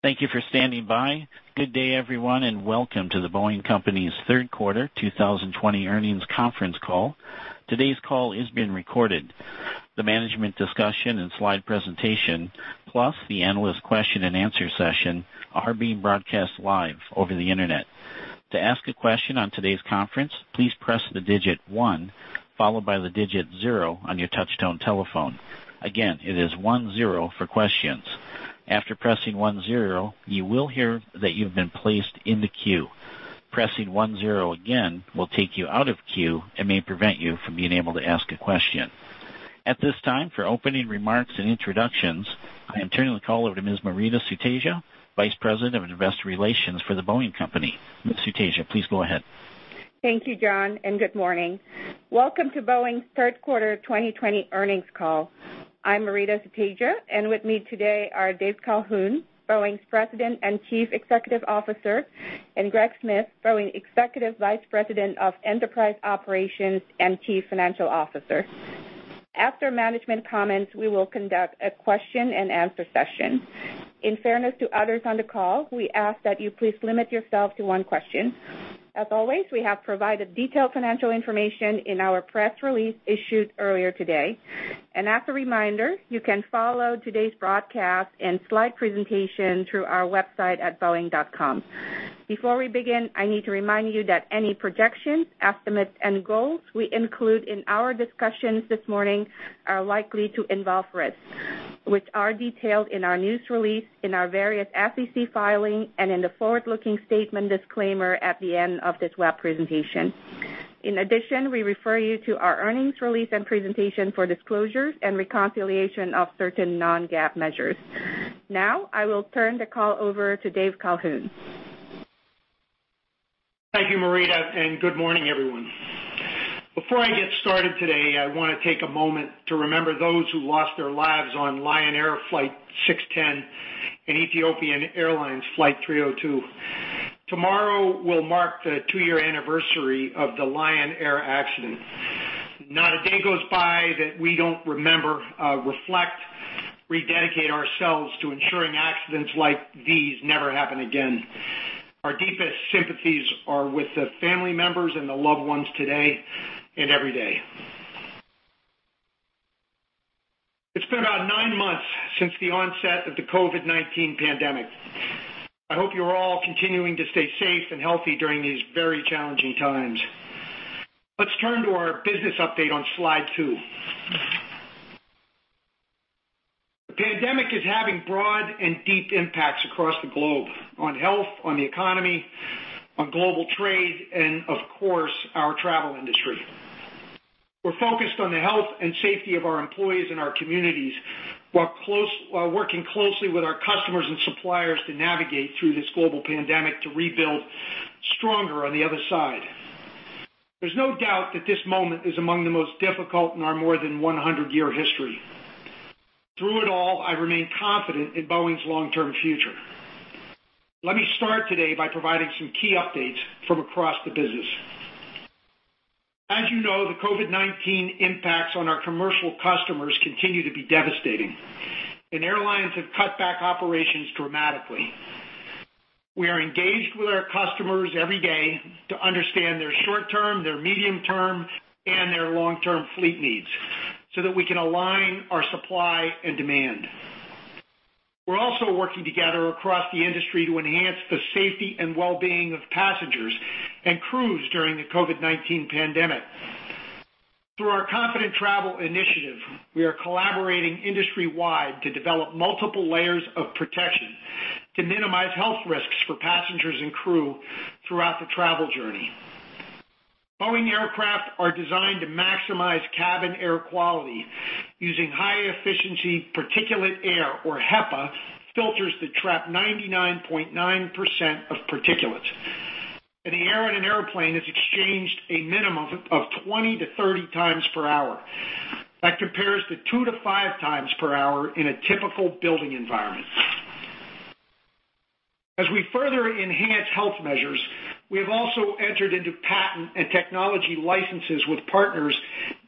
Thank you for standing by. Good day, everyone, and welcome to The Boeing Company's Third Quarter 2020 Earnings Conference Call. Today's call is being recorded. The management discussion and slide presentation, plus the analyst question and answer session, are being broadcast live over the internet. To ask a question on today's conference, please press the digit one followed by the digit zero on your touchtone telephone. Again, it is one zero for questions. After pressing, one zero you will hear that you have been placed in the queue. Pressing one zero again will take you away from the queue and may prevent you from asking a question. At this time, for opening remarks and introductions, I am turning the call over to Ms. Maurita Sutedja, Vice President of Investor Relations for The Boeing Company. Ms. Sutedja, please go ahead. Thank you, John. Good morning. Welcome to Boeing's Third Quarter 2020 Earnings Call. I'm Maurita Sutedja, and with me today are Dave Calhoun, Boeing's President and Chief Executive Officer, and Greg Smith, Boeing Executive Vice President of Enterprise Operations and Chief Financial Officer. After management comments, we will conduct a question and answer session. In fairness to others on the call, we ask that you please limit yourself to one question. As always, we have provided detailed financial information in our press release issued earlier today. As a reminder, you can follow today's broadcast and slide presentation through our website at boeing.com. Before we begin, I need to remind you that any projections, estimates, and goals we include in our discussions this morning are likely to involve risks, which are detailed in our news release, in our various SEC filings, and in the forward-looking statement disclaimer at the end of this web presentation. In addition, we refer you to our earnings release and presentation for disclosures and reconciliation of certain non-GAAP measures. Now, I will turn the call over to Dave Calhoun. Thank you, Maurita. Good morning, everyone. Before I get started today, I want to take a moment to remember those who lost their lives on Lion Air Flight 610 and Ethiopian Airlines Flight 302. Tomorrow will mark the two-year anniversary of the Lion Air accident. Not a day goes by that we don't remember, reflect, rededicate ourselves to ensuring accidents like these never happen again. Our deepest sympathies are with the family members and the loved ones today and every day. It's been about nine months since the onset of the COVID-19 pandemic. I hope you're all continuing to stay safe and healthy during these very challenging times. Let's turn to our business update on slide 2. The pandemic is having broad and deep impacts across the globe on health, on the economy, on global trade, of course, our travel industry. We're focused on the health and safety of our employees and our communities while working closely with our customers and suppliers to navigate through this global pandemic to rebuild stronger on the other side. There's no doubt that this moment is among the most difficult in our more than 100-year history. Through it all, I remain confident in Boeing's long-term future. Let me start today by providing some key updates from across the business. As you know, the COVID-19 impacts on our commercial customers continue to be devastating, and airlines have cut back operations dramatically. We are engaged with our customers every day to understand their short-term, their medium-term, and their long-term fleet needs so that we can align our supply and demand. We're also working together across the industry to enhance the safety and well-being of passengers and crews during the COVID-19 pandemic. Through our Confident Travel Initiative, we are collaborating industry-wide to develop multiple layers of protection to minimize health risks for passengers and crew throughout the travel journey. Boeing aircraft are designed to maximize cabin air quality using high-efficiency particulate air, or HEPA, filters that trap 99.9% of particulates. The air in an airplane is exchanged a minimum of 20-30 times per hour. That compares to 2-5 times per hour in a typical building environment. As we further enhance health measures, we have also entered into patent and technology licenses with partners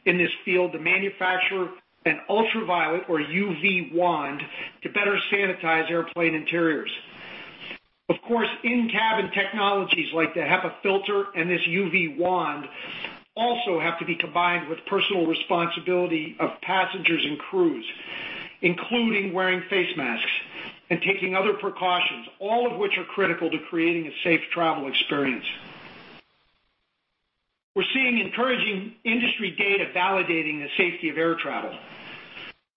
in this field to manufacture an ultraviolet, or UV, wand to better sanitize airplane interiors. Of course, in-cabin technologies like the HEPA filter and this UV wand also have to be combined with personal responsibility of passengers and crews, including wearing face masks and taking other precautions, all of which are critical to creating a safe travel experience. We're seeing encouraging industry data validating the safety of air travel.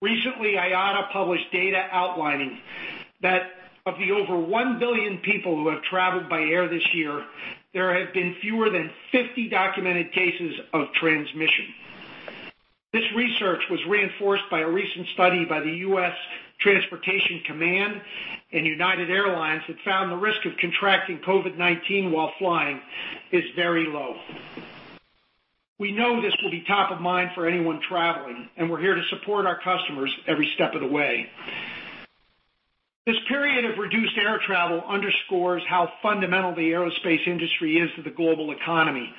Recently, IATA published data outlining that of the over 1 billion people who have traveled by air this year, there have been fewer than 50 documented cases of transmission. This research was reinforced by a recent study by the U.S. Transportation Command and United Airlines that found the risk of contracting COVID-19 while flying is very low. We know this will be top of mind for anyone traveling, and we're here to support our customers every step of the way. This period of reduced air travel underscores how fundamental the aerospace industry is to the global economy,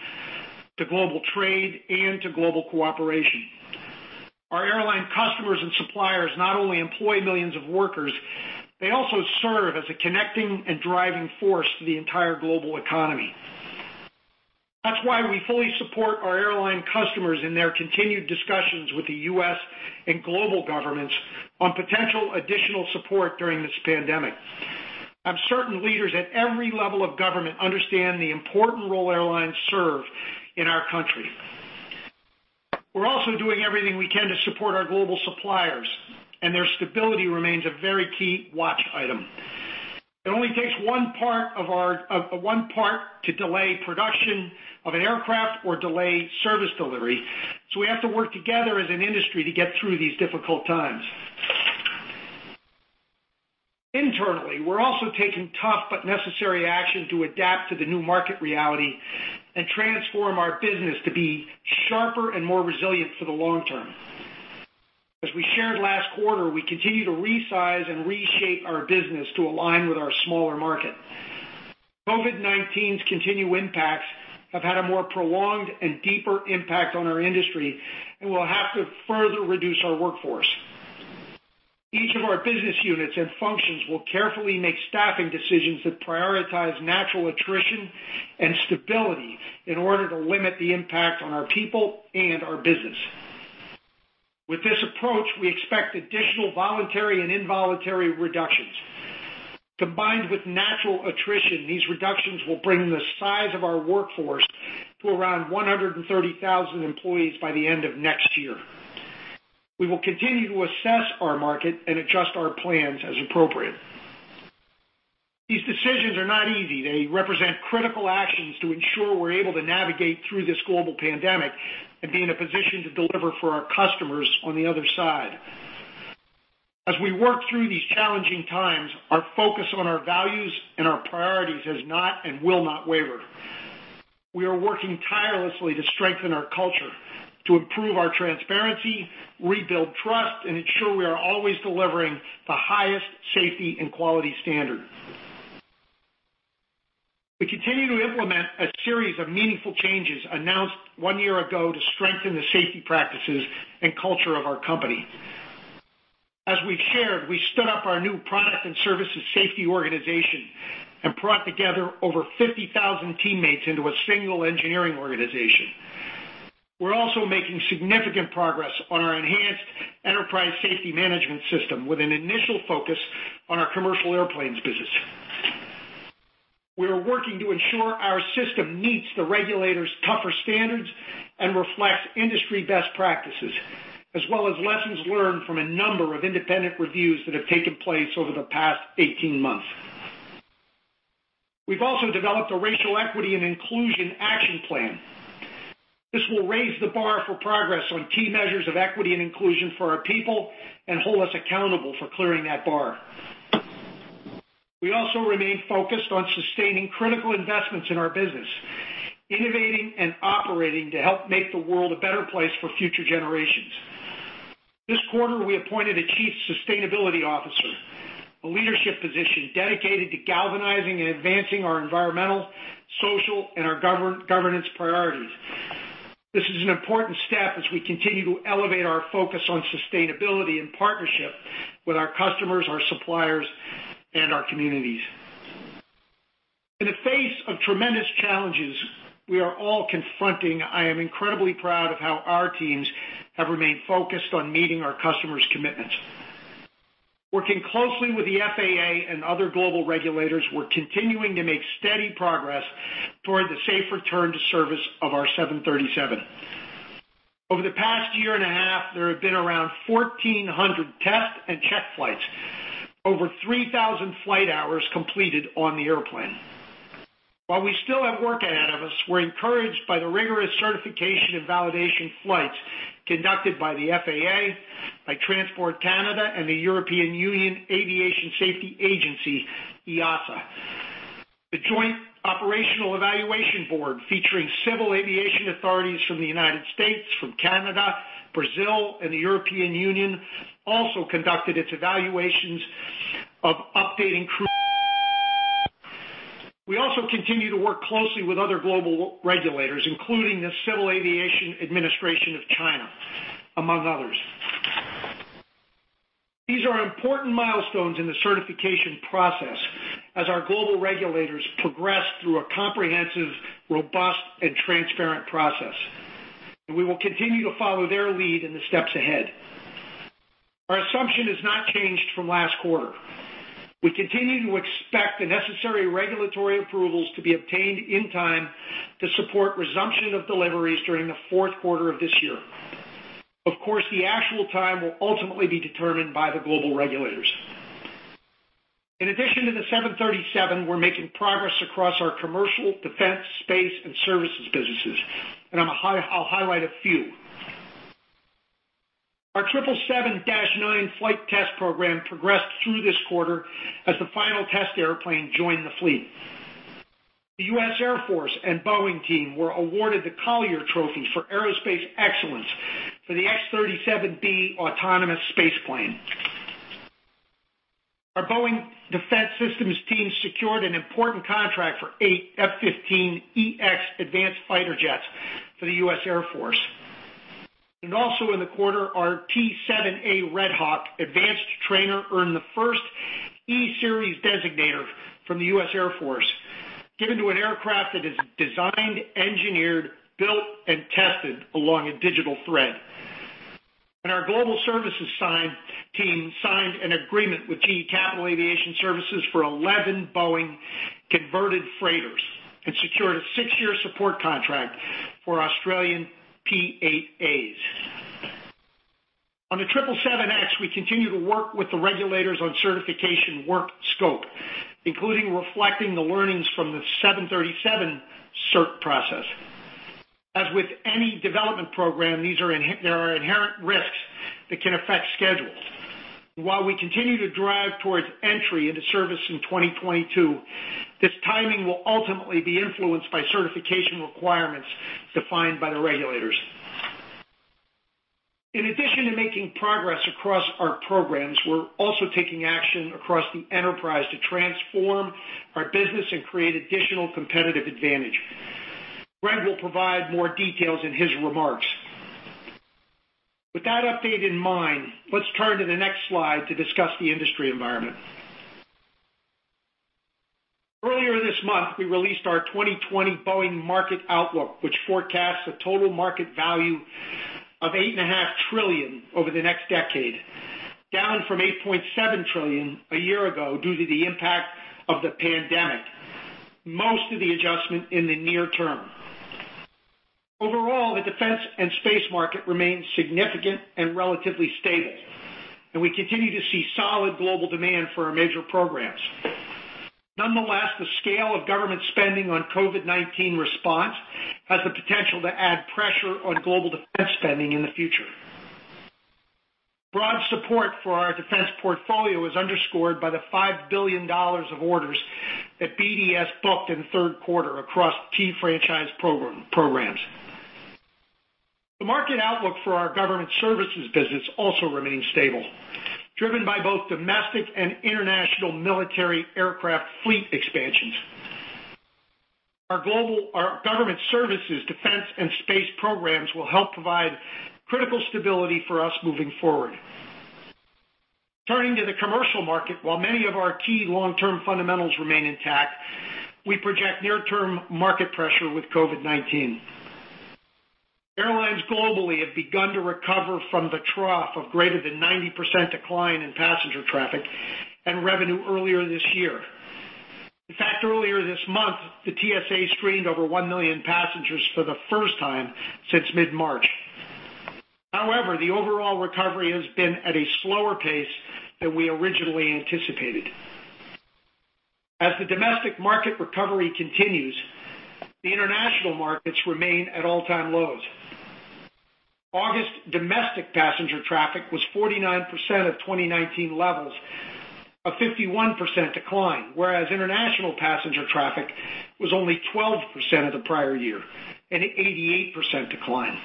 to global trade and to global cooperation. Our airline customers and suppliers not only employ millions of workers, they also serve as a connecting and driving force to the entire global economy. That's why we fully support our airline customers in their continued discussions with the U.S. and global governments on potential additional support during this pandemic. I'm certain leaders at every level of government understand the important role airlines serve in our country. We're also doing everything we can to support our global suppliers, and their stability remains a very key watch item. It only takes one part to delay production of an aircraft or delay service delivery. We have to work together as an industry to get through these difficult times. Internally, we're also taking tough but necessary action to adapt to the new market reality and transform our business to be sharper and more resilient for the long term. As we shared last quarter, we continue to resize and reshape our business to align with our smaller market. COVID-19's continued impacts have had a more prolonged and deeper impact on our industry and we'll have to further reduce our workforce. Each of our business units and functions will carefully make staffing decisions that prioritize natural attrition and stability in order to limit the impact on our people and our business. With this approach, we expect additional voluntary and involuntary reductions. Combined with natural attrition, these reductions will bring the size of our workforce to around 130,000 employees by the end of next year. We will continue to assess our market and adjust our plans as appropriate. These decisions are not easy. They represent critical actions to ensure we're able to navigate through this global pandemic and be in a position to deliver for our customers on the other side. As we work through these challenging times, our focus on our values and our priorities has not and will not waver. We are working tirelessly to strengthen our culture, to improve our transparency, rebuild trust, and ensure we are always delivering the highest safety and quality standard. We continue to implement a series of meaningful changes announced one year ago to strengthen the safety practices and culture of our company. As we've shared, we stood up our new product and services safety organization and brought together over 50,000 teammates into a single engineering organization. We're also making significant progress on our enhanced enterprise safety management system with an initial focus on our commercial airplanes business. We are working to ensure our system meets the regulators' tougher standards and reflects industry best practices, as well as lessons learned from a number of independent reviews that have taken place over the past 18 months. We've also developed a racial equity and inclusion action plan. This will raise the bar for progress on key measures of equity and inclusion for our people and hold us accountable for clearing that bar. We also remain focused on sustaining critical investments in our business, innovating and operating to help make the world a better place for future generations. This quarter, we appointed a chief sustainability officer, a leadership position dedicated to galvanizing and advancing our environmental, social, and our governance priorities. This is an important step as we continue to elevate our focus on sustainability and partnership with our customers, our suppliers, and our communities. In the face of tremendous challenges we are all confronting, I am incredibly proud of how our teams have remained focused on meeting our customers' commitments. Working closely with the FAA and other global regulators, we're continuing to make steady progress toward the safe return to service of our 737. Over the past year and a half, there have been around 1,400 test and check flights. Over 3,000 flight hours completed on the airplane. While we still have work ahead of us, we're encouraged by the rigorous certification and validation flights conducted by the FAA, by Transport Canada, and the European Union Aviation Safety Agency, EASA. The Joint Operational Evaluation Board, featuring civil aviation authorities from the U.S., from Canada, Brazil, and the European Union, also conducted its evaluations of updating crew. We also continue to work closely with other global regulators, including the Civil Aviation Administration of China, among others. These are important milestones in the certification process as our global regulators progress through a comprehensive, robust, and transparent process. We will continue to follow their lead in the steps ahead. Our assumption has not changed from last quarter. We continue to expect the necessary regulatory approvals to be obtained in time to support resumption of deliveries during the fourth quarter of this year. Of course, the actual time will ultimately be determined by the global regulators. In addition to the 737, we're making progress across our commercial, defense, space, and services businesses, and I'll highlight a few. Our 777-9 flight test program progressed through this quarter as the final test airplane joined the fleet. The U.S. Air Force and Boeing team were awarded the Collier Trophy for aerospace excellence for the X-37B autonomous space plane. Our Boeing Defense Systems team secured an important contract for eight F-15EX advanced fighter jets for the U.S. Air Force. Also in the quarter, our T-7A Red Hawk advanced trainer earned the first eSeries designator from the U.S. Air Force, given to an aircraft that is designed, engineered, built, and tested along a digital thread. Our Global Services team signed an agreement with GE Capital Aviation Services for 11 Boeing converted freighters and secured a six-year support contract for Australian P-8As. On the 777X, we continue to work with the regulators on certification work scope, including reflecting the learnings from the 737 cert process. As with any development program, there are inherent risks that can affect schedules. While we continue to drive towards entry into service in 2022, this timing will ultimately be influenced by certification requirements defined by the regulators. In addition to making progress across our programs, we're also taking action across the enterprise to transform our business and create additional competitive advantage. Greg will provide more details in his remarks. With that update in mind, let's turn to the next slide to discuss the industry environment. Earlier this month, we released our 2020 Boeing Market Outlook, which forecasts a total market value of $8.5 trillion over the next decade, down from $8.7 trillion a year ago due to the impact of the pandemic, most of the adjustment in the near term. Overall, the defense and space market remains significant and relatively stable, and we continue to see solid global demand for our major programs. Nonetheless, the scale of government spending on COVID-19 response has the potential to add pressure on global defense spending in the future. Broad support for our defense portfolio is underscored by the $5 billion of orders that BDS booked in the third quarter across key franchise programs. The market outlook for our government services business also remains stable, driven by both domestic and international military aircraft fleet expansions. Our government services, defense, and space programs will help provide critical stability for us moving forward. Turning to the commercial market, while many of our key long-term fundamentals remain intact, we project near-term market pressure with COVID-19. Airlines globally have begun to recover from the trough of greater than 90% decline in passenger traffic and revenue earlier this year. In fact, earlier this month, the TSA screened over 1 million passengers for the first time since mid-March. However, the overall recovery has been at a slower pace than we originally anticipated. As the domestic market recovery continues, the international markets remain at all-time lows. August domestic passenger traffic was 49% of 2019 levels, a 51% decline, whereas international passenger traffic was only 12% of the prior year, an 88% decline.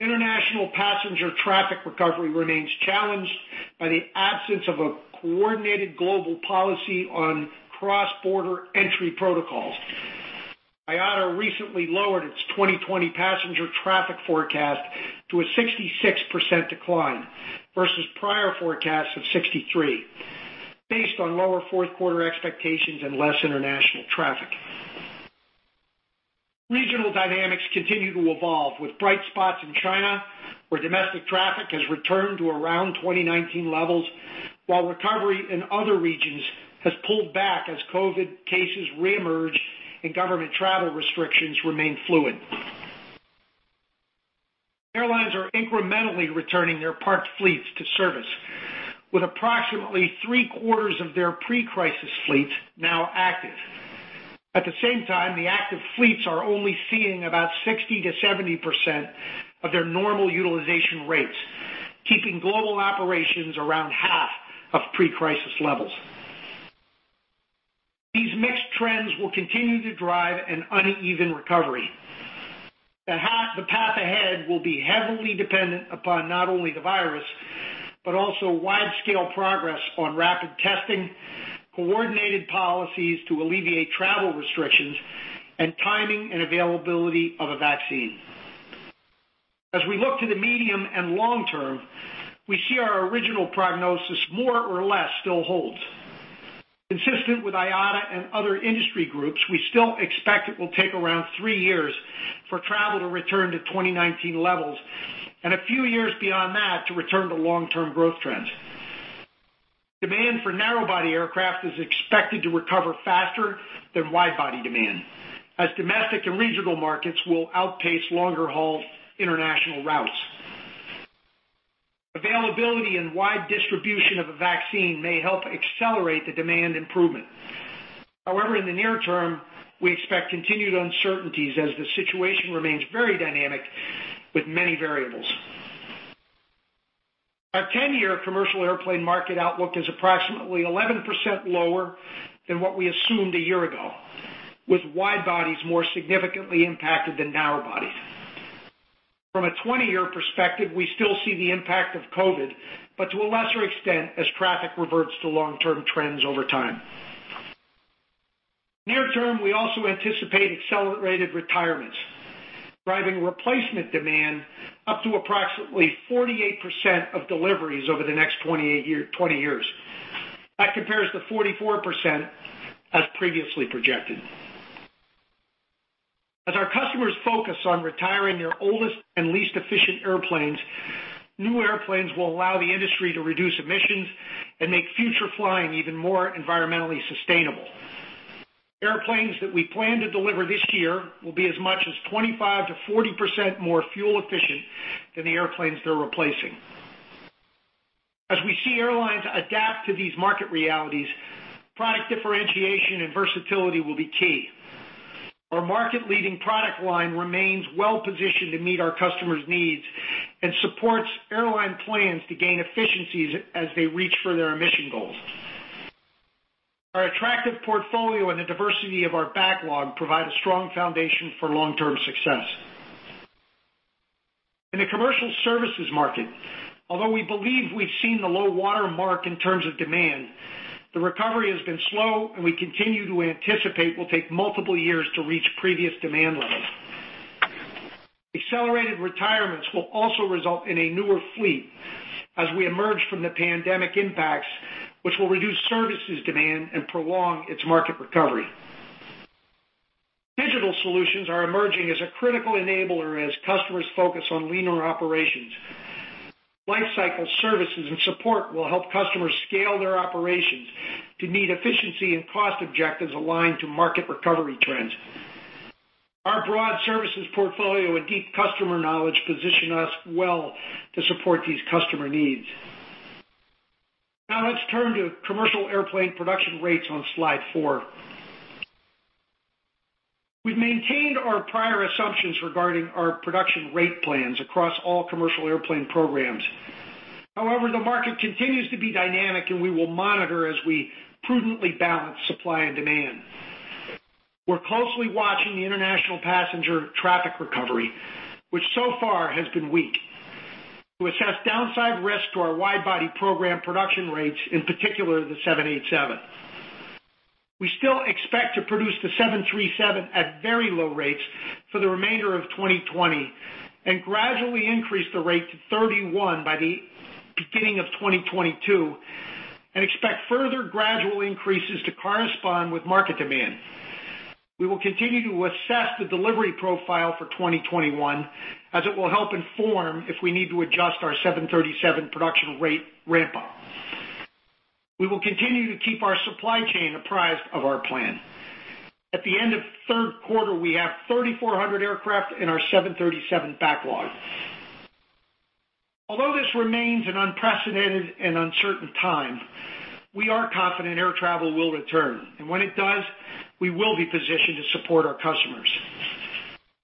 International passenger traffic recovery remains challenged by the absence of a coordinated global policy on cross-border entry protocols. IATA recently lowered its 2020 passenger traffic forecast to a 66% decline versus prior forecasts of 63%, based on lower fourth quarter expectations and less international traffic. Regional dynamics continue to evolve with bright spots in China, where domestic traffic has returned to around 2019 levels, while recovery in other regions has pulled back as COVID-19 cases reemerge and government travel restrictions remain fluid. Airlines are incrementally returning their parked fleets to service, with approximately three-quarters of their pre-crisis fleet now active. At the same time, the active fleets are only seeing about 60%-70% of their normal utilization rates, keeping global operations around half of pre-crisis levels. These mixed trends will continue to drive an uneven recovery. The path ahead will be heavily dependent upon not only the virus, but also wide-scale progress on rapid testing, coordinated policies to alleviate travel restrictions, and timing and availability of a vaccine. As we look to the medium and long term, we see our original prognosis, more or less, still holds. Consistent with IATA and other industry groups, we still expect it will take around three years for travel to return to 2019 levels and a few years beyond that to return to long-term growth trends. Demand for narrow-body aircraft is expected to recover faster than wide-body demand, as domestic and regional markets will outpace longer-haul international routes. Availability and wide distribution of a vaccine may help accelerate the demand improvement. However, in the near term, we expect continued uncertainties as the situation remains very dynamic with many variables. Our 10-year commercial airplane market outlook is approximately 11% lower than what we assumed a year ago, with wide-bodies more significantly impacted than narrow bodies. From a 20-year perspective, we still see the impact of COVID-19, but to a lesser extent as traffic reverts to long-term trends over time. Near term, we also anticipate accelerated retirements, driving replacement demand up to approximately 48% of deliveries over the next 20 years. That compares to 44% as previously projected. As our customers focus on retiring their oldest and least efficient airplanes, new airplanes will allow the industry to reduce emissions and make future flying even more environmentally sustainable. Airplanes that we plan to deliver this year will be as much as 25%-40% more fuel efficient than the airplanes they're replacing. As we see airlines adapt to these market realities, product differentiation and versatility will be key. Our market-leading product line remains well-positioned to meet our customers' needs and supports airline plans to gain efficiencies as they reach for their emission goals. Our attractive portfolio and the diversity of our backlog provide a strong foundation for long-term success. In the commercial services market, although we believe we've seen the low water mark in terms of demand, the recovery has been slow, and we continue to anticipate will take multiple years to reach previous demand levels. Accelerated retirements will also result in a newer fleet as we emerge from the pandemic impacts, which will reduce services demand and prolong its market recovery. Digital solutions are emerging as a critical enabler as customers focus on leaner operations. Lifecycle services and support will help customers scale their operations to meet efficiency and cost objectives aligned to market recovery trends. Our broad services portfolio and deep customer knowledge position us well to support these customer needs. Now let's turn to commercial airplane production rates on slide 4. We've maintained our prior assumptions regarding our production rate plans across all commercial airplane programs. However, the market continues to be dynamic, and we will monitor as we prudently balance supply and demand. We're closely watching the international passenger traffic recovery, which so far has been weak. To assess downside risk to our wide-body program production rates, in particular, the 787. We still expect to produce the 737 at very low rates for the remainder of 2020 and gradually increase the rate to 31 by the beginning of 2022 and expect further gradual increases to correspond with market demand. We will continue to assess the delivery profile for 2021 as it will help inform if we need to adjust our 737 production rate ramp-up. We will continue to keep our supply chain apprised of our plan. At the end of the third quarter, we have 3,400 aircraft in our 737 backlog. Although this remains an unprecedented and uncertain time, we are confident air travel will return, and when it does, we will be positioned to support our customers.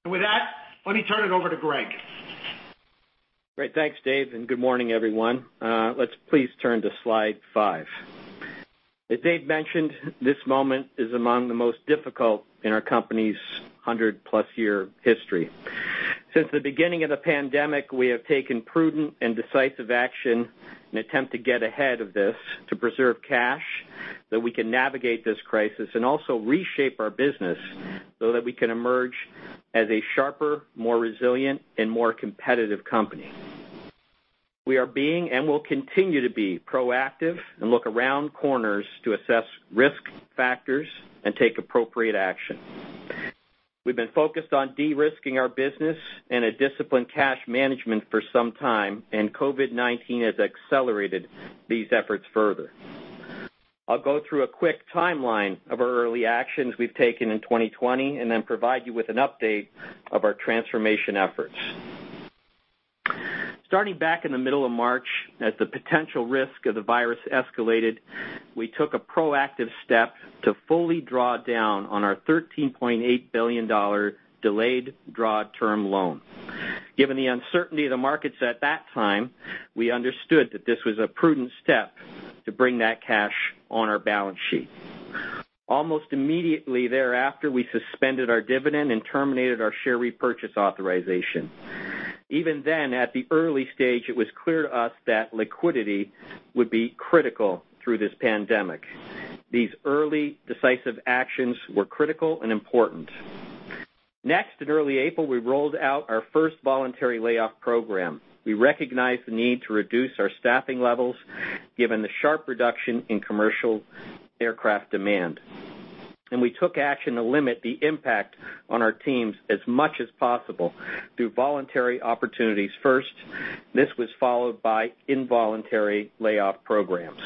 With that, let me turn it over to Greg. Great. Thanks, Dave, good morning, everyone. Let's please turn to slide 5. As Dave mentioned, this moment is among the most difficult in our company's 100-plus year history. Since the beginning of the pandemic, we have taken prudent and decisive action in attempt to get ahead of this to preserve cash, that we can navigate this crisis and also reshape our business so that we can emerge as a sharper, more resilient, and more competitive company. We are being and will continue to be proactive and look around corners to assess risk factors and take appropriate action. We've been focused on de-risking our business and a disciplined cash management for some time, COVID-19 has accelerated these efforts further. I'll go through a quick timeline of our early actions we've taken in 2020 and then provide you with an update of our transformation efforts. Starting back in the middle of March, as the potential risk of the virus escalated, we took a proactive step to fully draw down on our $13.8 billion delayed draw term loan. Given the uncertainty of the markets at that time, we understood that this was a prudent step to bring that cash on our balance sheet. Almost immediately thereafter, we suspended our dividend and terminated our share repurchase authorization. Even then, at the early stage, it was clear to us that liquidity would be critical through this pandemic. These early decisive actions were critical and important. In early April, we rolled out our first voluntary layoff program. We recognized the need to reduce our staffing levels, given the sharp reduction in commercial aircraft demand. We took action to limit the impact on our teams as much as possible through voluntary opportunities first. This was followed by involuntary layoff programs.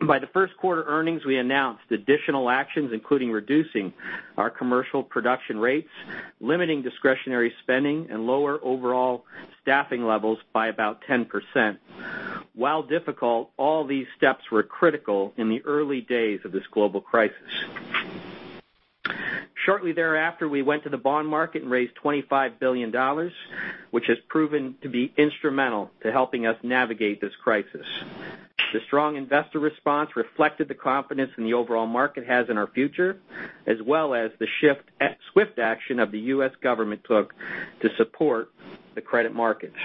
By the first quarter earnings, we announced additional actions, including reducing our commercial production rates, limiting discretionary spending, and lower overall staffing levels by about 10%. While difficult, all these steps were critical in the early days of this global crisis. Shortly thereafter, we went to the bond market and raised $25 billion, which has proven to be instrumental to helping us navigate this crisis. The strong investor response reflected the confidence in the overall market has in our future, as well as the swift action of the U.S. government took to support the credit markets.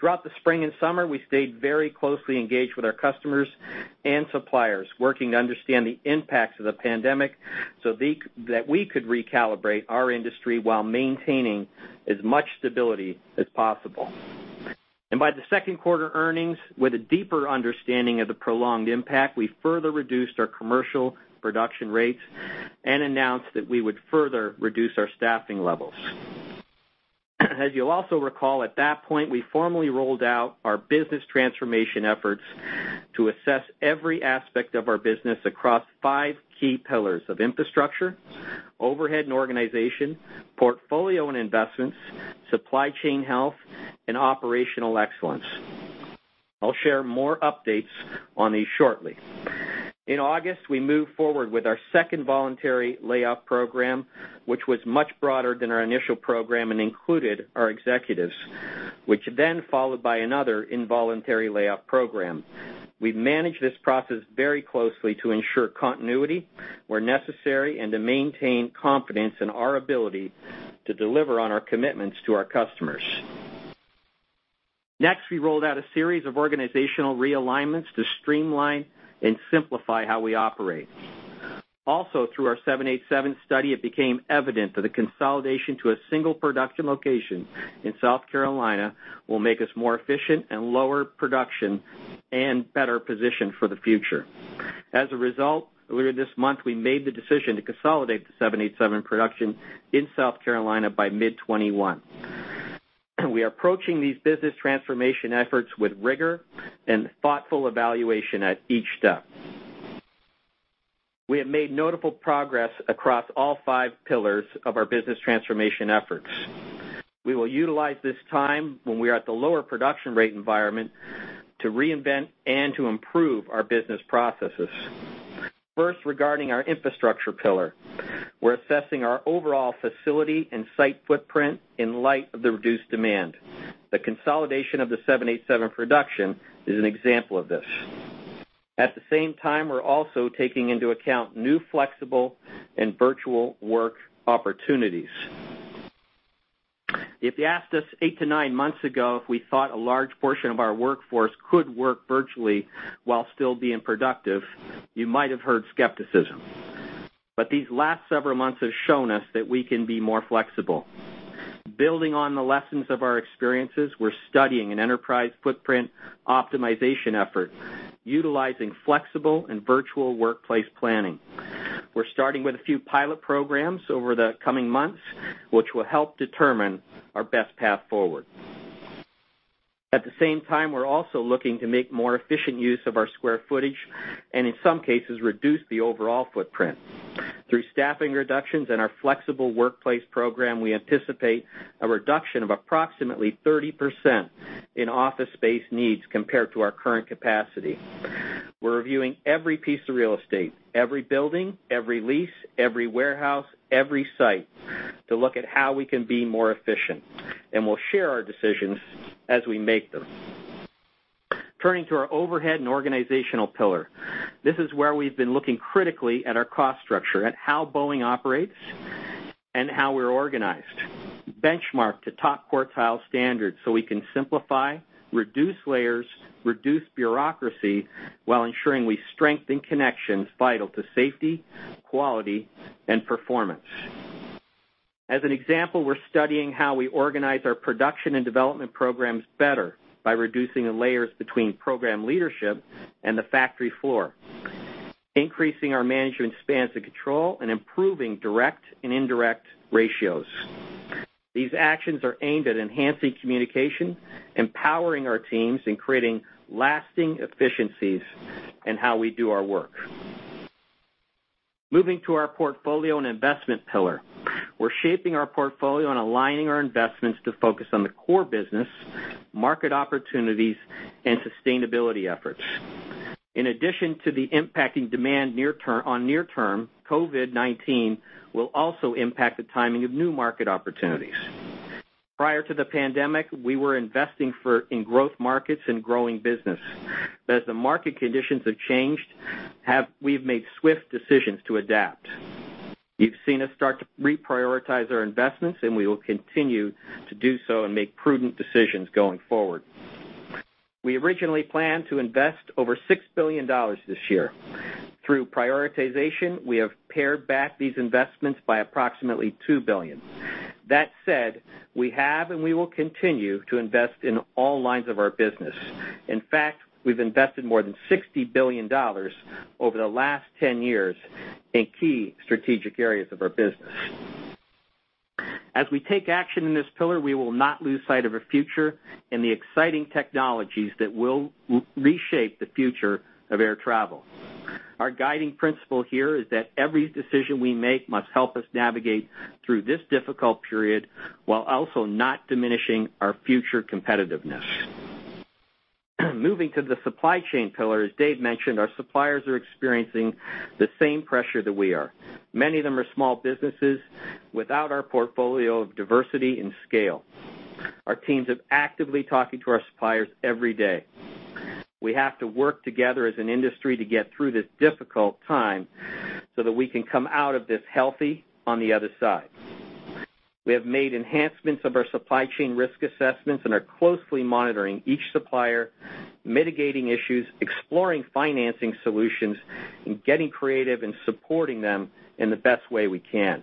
Throughout the spring and summer, we stayed very closely engaged with our customers and suppliers, working to understand the impacts of the pandemic so that we could recalibrate our industry while maintaining as much stability as possible. By the second quarter earnings, with a deeper understanding of the prolonged impact, we further reduced our commercial production rates and announced that we would further reduce our staffing levels. You'll also recall, at that point, we formally rolled out our business transformation efforts to assess every aspect of our business across five key pillars of infrastructure, overhead and organization, portfolio and investments, supply chain health, and operational excellence. I'll share more updates on these shortly. In August, we moved forward with our second voluntary layoff program, which was much broader than our initial program and included our executives, which then followed by another involuntary layoff program. We managed this process very closely to ensure continuity where necessary and to maintain confidence in our ability to deliver on our commitments to our customers. Next, we rolled out a series of organizational realignments to streamline and simplify how we operate. Through our 787 study, it became evident that the consolidation to a single production location in South Carolina will make us more efficient and lower production and better positioned for the future. As a result, later this month, we made the decision to consolidate the 787 production in South Carolina by mid 2021. We are approaching these business transformation efforts with rigor and thoughtful evaluation at each step. We have made notable progress across all five pillars of our business transformation efforts. We will utilize this time when we are at the lower production rate environment to reinvent and to improve our business processes. First, regarding our infrastructure pillar, we're assessing our overall facility and site footprint in light of the reduced demand. The consolidation of the 787 production is an example of this. At the same time, we're also taking into account new flexible and virtual work opportunities. If you asked us 8-9 months ago, if we thought a large portion of our workforce could work virtually while still being productive, you might have heard skepticism. These last several months have shown us that we can be more flexible. Building on the lessons of our experiences, we're studying an Enterprise Footprint Optimization Effort utilizing flexible and virtual workplace planning. We're starting with a few pilot programs over the coming months, which will help determine our best path forward. At the same time, we're also looking to make more efficient use of our square footage, and in some cases, reduce the overall footprint. Through staffing reductions and our flexible workplace program, we anticipate a reduction of approximately 30% in office space needs compared to our current capacity. We're reviewing every piece of real estate, every building, every lease, every warehouse, every site to look at how we can be more efficient, and we'll share our decisions as we make them. Turning to our overhead and organizational pillar. This is where we've been looking critically at our cost structure, at how Boeing operates, and how we're organized. Benchmark to top quartile standards so we can simplify, reduce layers, reduce bureaucracy while ensuring we strengthen connections vital to safety, quality, and performance. As an example, we're studying how we organize our production and development programs better by reducing the layers between program leadership and the factory floor, increasing our management spans of control, and improving direct and indirect ratios. These actions are aimed at enhancing communication, empowering our teams, and creating lasting efficiencies in how we do our work. Moving to our portfolio and investment pillar. We're shaping our portfolio and aligning our investments to focus on the core business, market opportunities, and sustainability efforts. In addition to the impacting demand on near term, COVID-19 will also impact the timing of new market opportunities. Prior to the pandemic, we were investing in growth markets and growing business. As the market conditions have changed, we've made swift decisions to adapt. You've seen us start to reprioritize our investments, and we will continue to do so and make prudent decisions going forward. We originally planned to invest over $6 billion this year. Through prioritization, we have pared back these investments by approximately $2 billion. That said, we have and we will continue to invest in all lines of our business. In fact, we've invested more than $60 billion over the last 10 years in key strategic areas of our business. As we take action in this pillar, we will not lose sight of our future and the exciting technologies that will reshape the future of air travel. Our guiding principle here is that every decision we make must help us navigate through this difficult period while also not diminishing our future competitiveness. Moving to the supply chain pillar, as Dave mentioned, our suppliers are experiencing the same pressure that we are. Many of them are small businesses without our portfolio of diversity and scale. Our teams are actively talking to our suppliers every day. We have to work together as an industry to get through this difficult time so that we can come out of this healthy on the other side. We have made enhancements of our supply chain risk assessments and are closely monitoring each supplier, mitigating issues, exploring financing solutions, and getting creative in supporting them in the best way we can.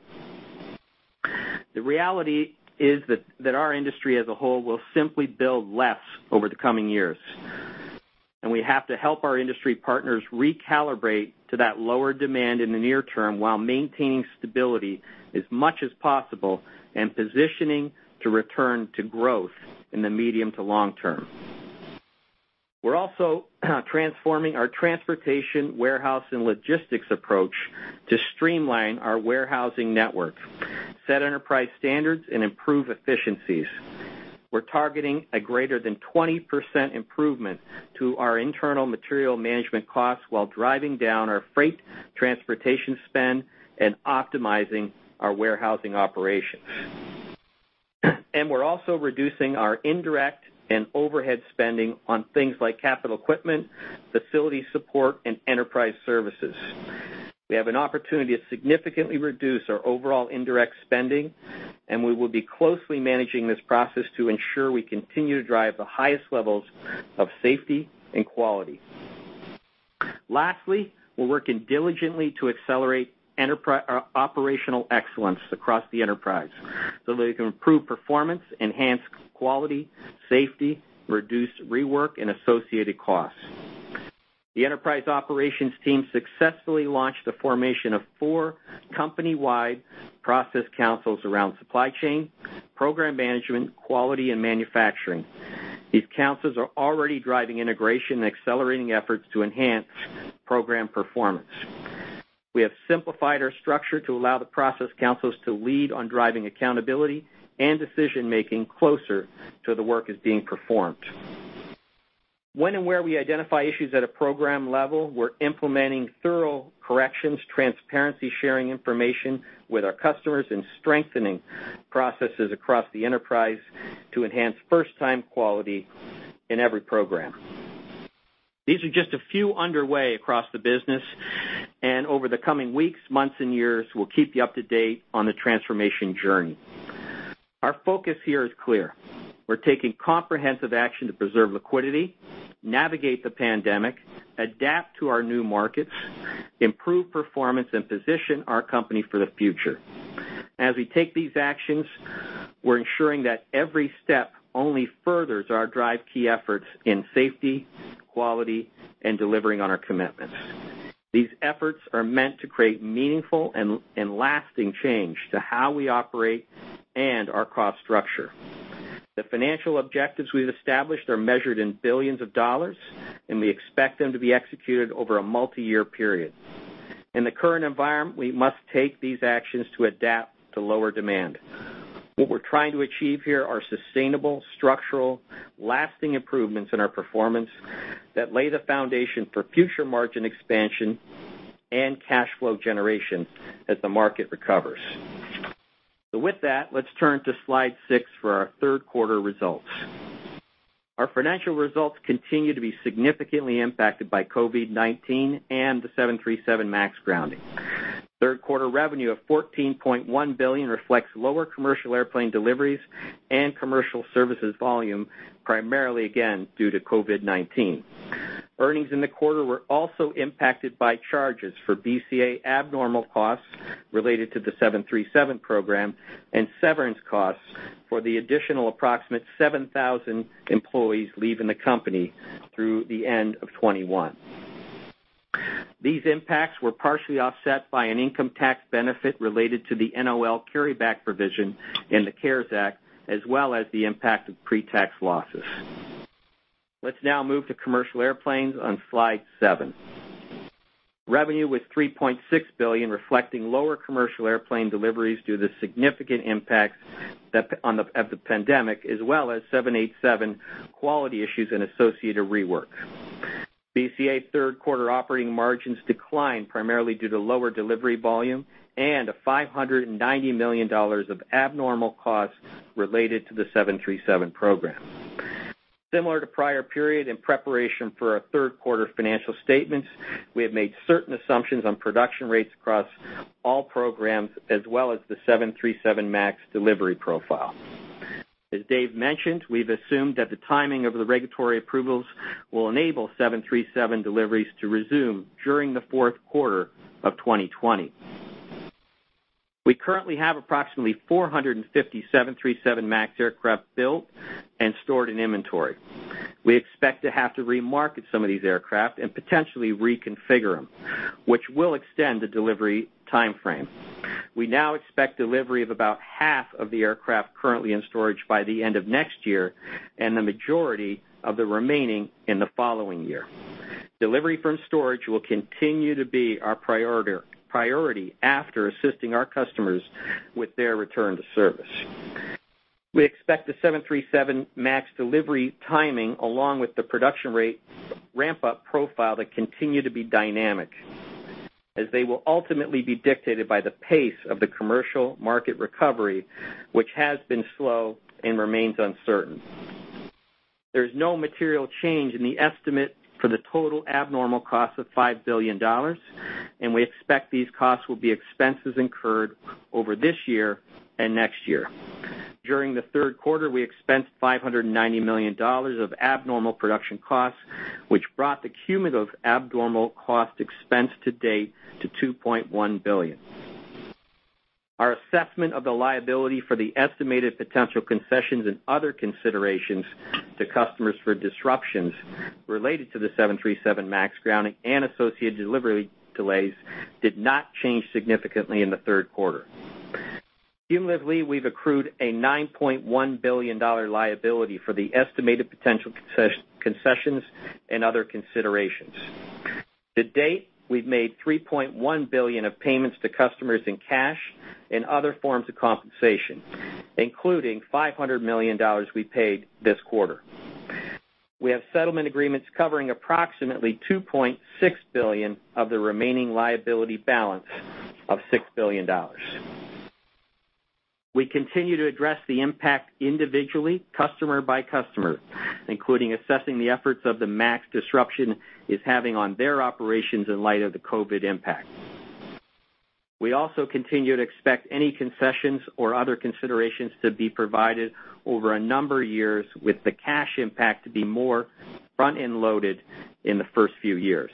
The reality is that our industry as a whole will simply build less over the coming years, and we have to help our industry partners recalibrate to that lower demand in the near term while maintaining stability as much as possible and positioning to return to growth in the medium to long term. We're also transforming our transportation, warehouse, and logistics approach to streamline our warehousing network, set enterprise standards, and improve efficiencies. We're targeting a greater than 20% improvement to our internal material management costs while driving down our freight transportation spend and optimizing our warehousing operations. We're also reducing our indirect and overhead spending on things like capital equipment, facility support, and enterprise services. We have an opportunity to significantly reduce our overall indirect spending, and we will be closely managing this process to ensure we continue to drive the highest levels of safety and quality. Lastly, we're working diligently to accelerate operational excellence across the enterprise so that it can improve performance, enhance quality, safety, reduce rework, and associated costs. The enterprise operations team successfully launched the formation of four company-wide process councils around supply chain, program management, quality, and manufacturing. These councils are already driving integration and accelerating efforts to enhance program performance. We have simplified our structure to allow the process councils to lead on driving accountability and decision-making closer to the work that's being performed. When and where we identify issues at a program level, we're implementing thorough corrections, transparency, sharing information with our customers, and strengthening processes across the enterprise to enhance first-time quality in every program. These are just a few underway across the business. Over the coming weeks, months, and years, we'll keep you up to date on the transformation journey. Our focus here is clear. We're taking comprehensive action to preserve liquidity, navigate the pandemic, adapt to our new markets, improve performance, and position our company for the future. As we take these actions, we're ensuring that every step only furthers our drive key efforts in safety, quality, and delivering on our commitments. These efforts are meant to create meaningful and lasting change to how we operate and our cost structure. The financial objectives we've established are measured in billions of dollars. We expect them to be executed over a multi-year period. In the current environment, we must take these actions to adapt to lower demand. What we're trying to achieve here are sustainable, structural, lasting improvements in our performance that lay the foundation for future margin expansion and cash flow generation as the market recovers. With that, let's turn to slide 6 for our third-quarter results. Our financial results continue to be significantly impacted by COVID-19 and the 737 MAX grounding. Third-quarter revenue of $14.1 billion reflects lower commercial airplane deliveries and commercial services volume, primarily, again, due to COVID-19. Earnings in the quarter were also impacted by charges for BCA abnormal costs related to the 737 program and severance costs for the additional approximate 7,000 employees leaving the company through the end of 2021. These impacts were partially offset by an income tax benefit related to the NOL carryback provision in the CARES Act, as well as the impact of pre-tax losses. Let's now move to commercial airplanes on slide 7. Revenue was $3.6 billion, reflecting lower commercial airplane deliveries due to significant impacts of the pandemic, as well as 787 quality issues and associated rework. BCA third-quarter operating margins declined primarily due to lower delivery volume and a $590 million of abnormal costs related to the 737 program. Similar to the prior period in preparation for our third-quarter financial statements, we have made certain assumptions on production rates across all programs, as well as the 737 MAX delivery profile. As Dave mentioned, we've assumed that the timing of the regulatory approvals will enable 737 deliveries to resume during the fourth quarter of 2020. We currently have approximately 450 737 MAX aircraft built and stored in inventory. We expect to have to re-market some of these aircraft and potentially reconfigure them, which will extend the delivery timeframe. We now expect delivery of about half of the aircraft currently in storage by the end of next year and the majority of the remaining in the following year. Delivery from storage will continue to be our priority after assisting our customers with their return to service. We expect the 737 MAX delivery timing, along with the production rate ramp-up profile, to continue to be dynamic. They will ultimately be dictated by the pace of the commercial market recovery, which has been slow and remains uncertain. There's no material change in the estimate for the total abnormal cost of $5 billion, and we expect these costs will be expenses incurred over this year and next year. During the third quarter, we expensed $590 million of abnormal production costs, which brought the cumulative abnormal cost expense to date to $2.1 billion. Our assessment of the liability for the estimated potential concessions and other considerations to customers for disruptions related to the 737 MAX grounding and associated delivery delays did not change significantly in the third quarter. Cumulatively, we've accrued a $9.1 billion liability for the estimated potential concessions and other considerations. To date, we've made $3.1 billion of payments to customers in cash and other forms of compensation, including $500 million we paid this quarter. We have settlement agreements covering approximately $2.6 billion of the remaining liability balance of $6 billion. We continue to address the impact individually, customer by customer, including assessing the efforts of the MAX disruption it's having on their operations in light of the COVID impact. We also continue to expect any concessions or other considerations to be provided over a number of years, with the cash impact to be more front-end loaded in the first few years.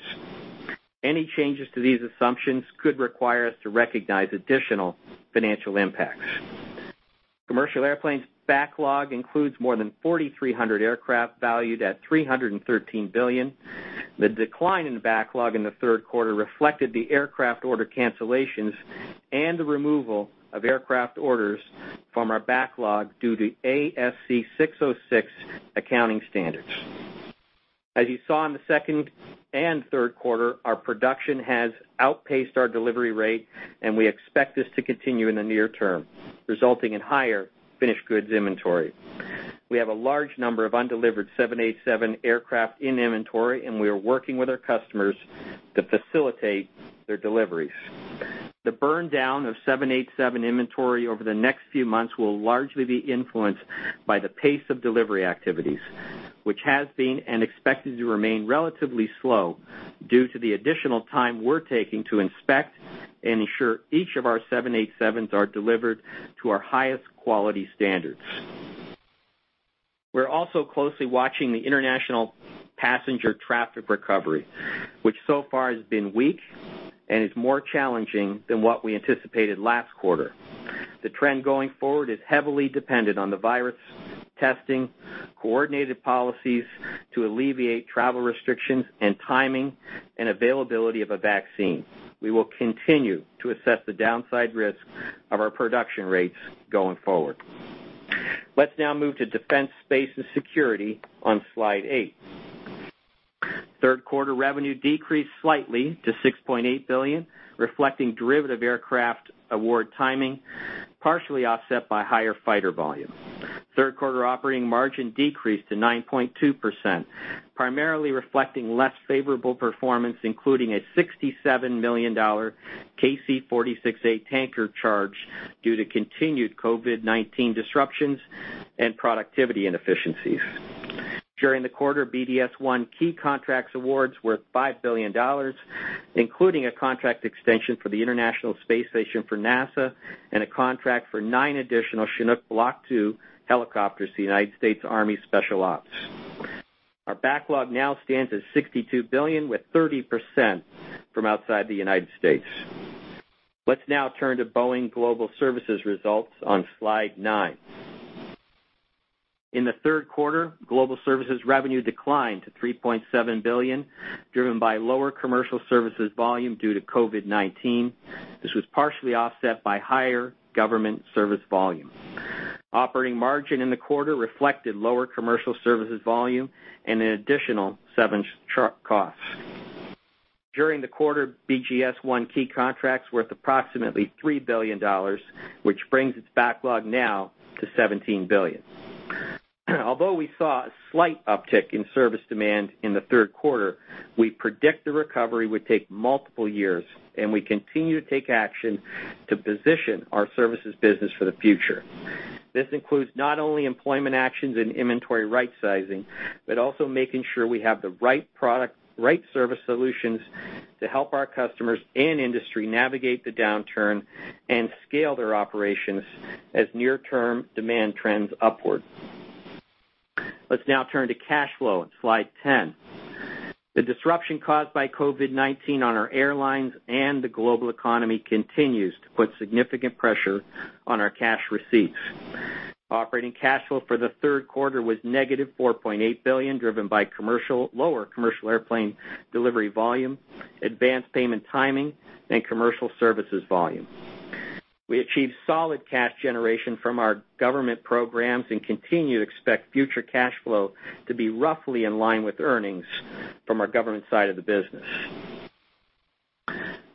Any changes to these assumptions could require us to recognize additional financial impacts. Commercial Airplanes backlog includes more than 4,300 aircraft valued at $313 billion. The decline in backlog in the third quarter reflected the aircraft order cancellations and the removal of aircraft orders from our backlog due to ASC 606 accounting standards. As you saw in the second and third quarter, our production has outpaced our delivery rate, and we expect this to continue in the near term, resulting in higher finished goods inventory. We have a large number of undelivered 787 aircraft in inventory, and we are working with our customers to facilitate their deliveries. The burn down of 787 inventory over the next few months will largely be influenced by the pace of delivery activities, which has been, and expected to remain, relatively slow due to the additional time we're taking to inspect and ensure each of our 787s are delivered to our highest quality standards. We're also closely watching the international passenger traffic recovery, which so far has been weak and is more challenging than what we anticipated last quarter. The trend going forward is heavily dependent on the virus testing, coordinated policies to alleviate travel restrictions, and timing and availability of a vaccine. We will continue to assess the downside risk of our production rates going forward. Let's now move to Defense, Space & Security on slide 8. Third quarter revenue decreased slightly to $6.8 billion, reflecting derivative aircraft award timing, partially offset by higher fighter volume. Third quarter operating margin decreased to 9.2%, primarily reflecting less favorable performance, including a $67 million KC-46A tanker charge due to continued COVID-19 disruptions and productivity inefficiencies. During the quarter, BDS won key contracts awards worth $5 billion, including a contract extension for the International Space Station for NASA and a contract for nine additional CH-47F Block II helicopters to the United States Army Special Ops. Our backlog now stands at $62 billion, with 30% from outside the United States. Let's now turn to Boeing Global Services results on slide 9. In the third quarter, global services revenue declined to $3.7 billion, driven by lower commercial services volume due to COVID-19. This was partially offset by higher government service volume. Operating margin in the quarter reflected lower commercial services volume and an additional 737 costs. During the quarter, BGS won key contracts worth approximately $3 billion, which brings its backlog now to $17 billion. Although, we saw a slight uptick in service demand in the third quarter, we predict the recovery would take multiple years, and we continue to take action to position our services business for the future. This includes not only employment actions and inventory rightsizing, but also making sure we have the right product, right service solutions to help our customers and industry navigate the downturn and scale their operations as near-term demand trends upward. Let's now turn to cash flow on slide 10. The disruption caused by COVID-19 on our airlines and the global economy continues to put significant pressure on our cash receipts. Operating cash flow for the third quarter was negative $4.8 billion, driven by lower commercial airplane delivery volume, advanced payment timing, and commercial services volume. We achieved solid cash generation from our government programs and continue to expect future cash flow to be roughly in line with earnings from our government side of the business.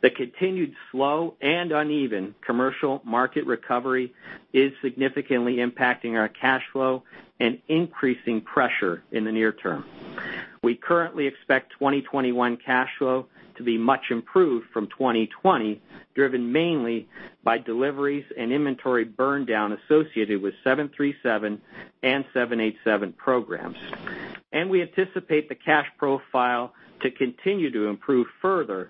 The continued slow and uneven commercial market recovery is significantly impacting our cash flow and increasing pressure in the near term. We currently expect 2021 cash flow to be much improved from 2020, driven mainly by deliveries and inventory burn down associated with 737 and 787 programs. We anticipate the cash profile to continue to improve further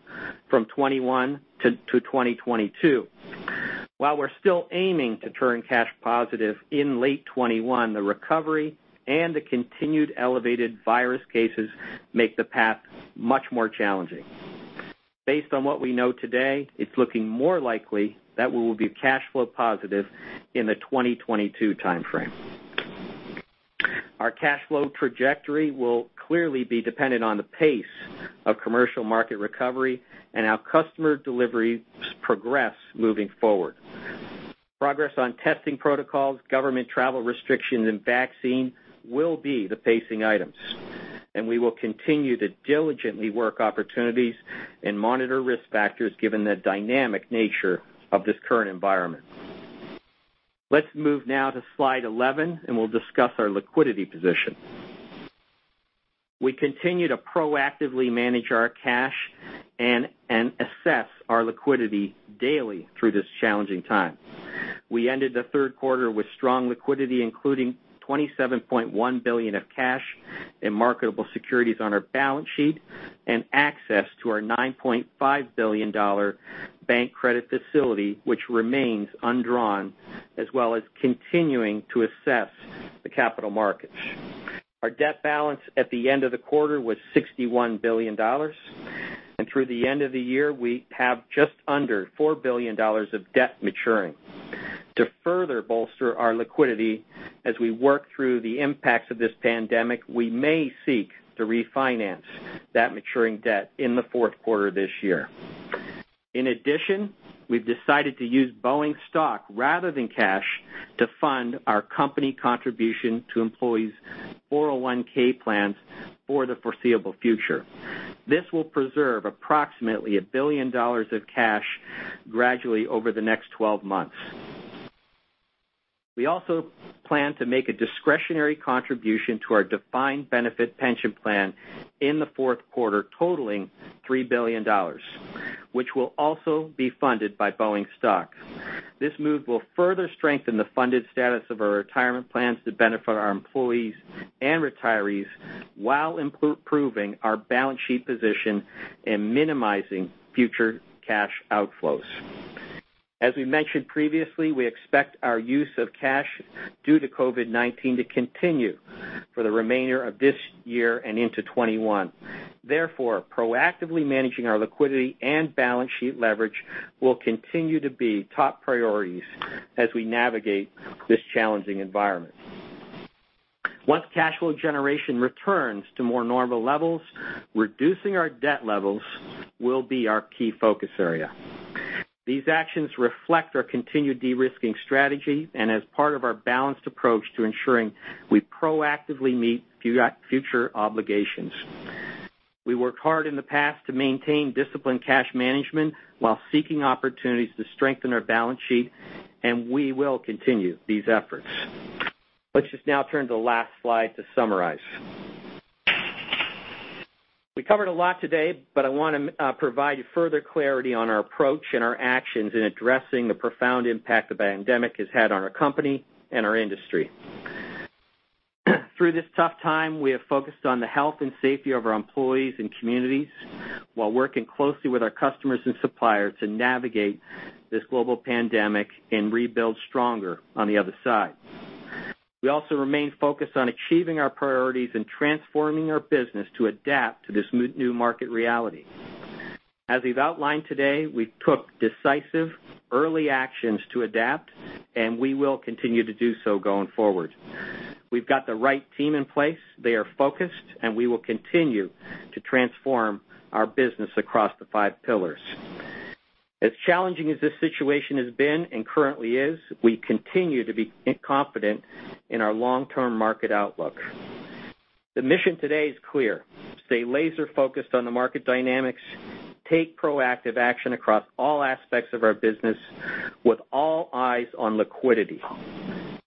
from 2021 to 2022. While we're still aiming to turn cash positive in late 2021, the recovery and the continued elevated virus cases make the path much more challenging. Based on what we know today, it's looking more likely that we will be cash flow positive in the 2022 timeframe. Our cash flow trajectory will clearly be dependent on the pace of commercial market recovery and our customer deliveries progress moving forward. Progress on testing protocols, government travel restrictions, and vaccine will be the pacing items, and we will continue to diligently work opportunities and monitor risk factors given the dynamic nature of this current environment. Let's move now to slide 11, and we'll discuss our liquidity position. We continue to proactively manage our cash and assess our liquidity daily through this challenging time. We ended the third quarter with strong liquidity, including $27.1 billion of cash and marketable securities on our balance sheet, and access to our $9.5 billion bank credit facility, which remains undrawn, as well as continuing to assess the capital markets. Our debt balance at the end of the quarter was $61 billion. Through the end of the year, we have just under $4 billion of debt maturing. To further bolster our liquidity as we work through the impacts of this pandemic, we may seek to refinance that maturing debt in the fourth quarter this year. In addition, we've decided to use Boeing stock rather than cash to fund our company contribution to employees' 401(k) plans for the foreseeable future. This will preserve approximately $1 billion of cash gradually over the next 12 months. We also plan to make a discretionary contribution to our defined benefit pension plan in the fourth quarter, totaling $3 billion, which will also be funded by Boeing stock. This move will further strengthen the funded status of our retirement plans to benefit our employees and retirees while improving our balance sheet position and minimizing future cash outflows. As we mentioned previously, we expect our use of cash due to COVID-19 to continue for the remainder of this year and into 2021. Therefore, proactively managing our liquidity and balance sheet leverage will continue to be top priorities as we navigate this challenging environment. Once cash flow generation returns to more normal levels, reducing our debt levels will be our key focus area. These actions reflect our continued de-risking strategy and as part of our balanced approach to ensuring we proactively meet future obligations. We worked hard in the past to maintain disciplined cash management while seeking opportunities to strengthen our balance sheet, and we will continue these efforts. Let's just now turn to the last slide to summarize. We covered a lot today. I want to provide further clarity on our approach and our actions in addressing the profound impact the pandemic has had on our company and our industry. Through this tough time, we have focused on the health and safety of our employees and communities while working closely with our customers and suppliers to navigate this global pandemic and rebuild stronger on the other side. We also remain focused on achieving our priorities and transforming our business to adapt to this new market reality. As we've outlined today, we've took decisive early actions to adapt. We will continue to do so going forward. We've got the right team in place. They are focused. We will continue to transform our business across the five pillars. As challenging as this situation has been and currently is, we continue to be confident in our long-term market outlook. The mission today is clear. Stay laser-focused on the market dynamics, take proactive action across all aspects of our business with all eyes on liquidity,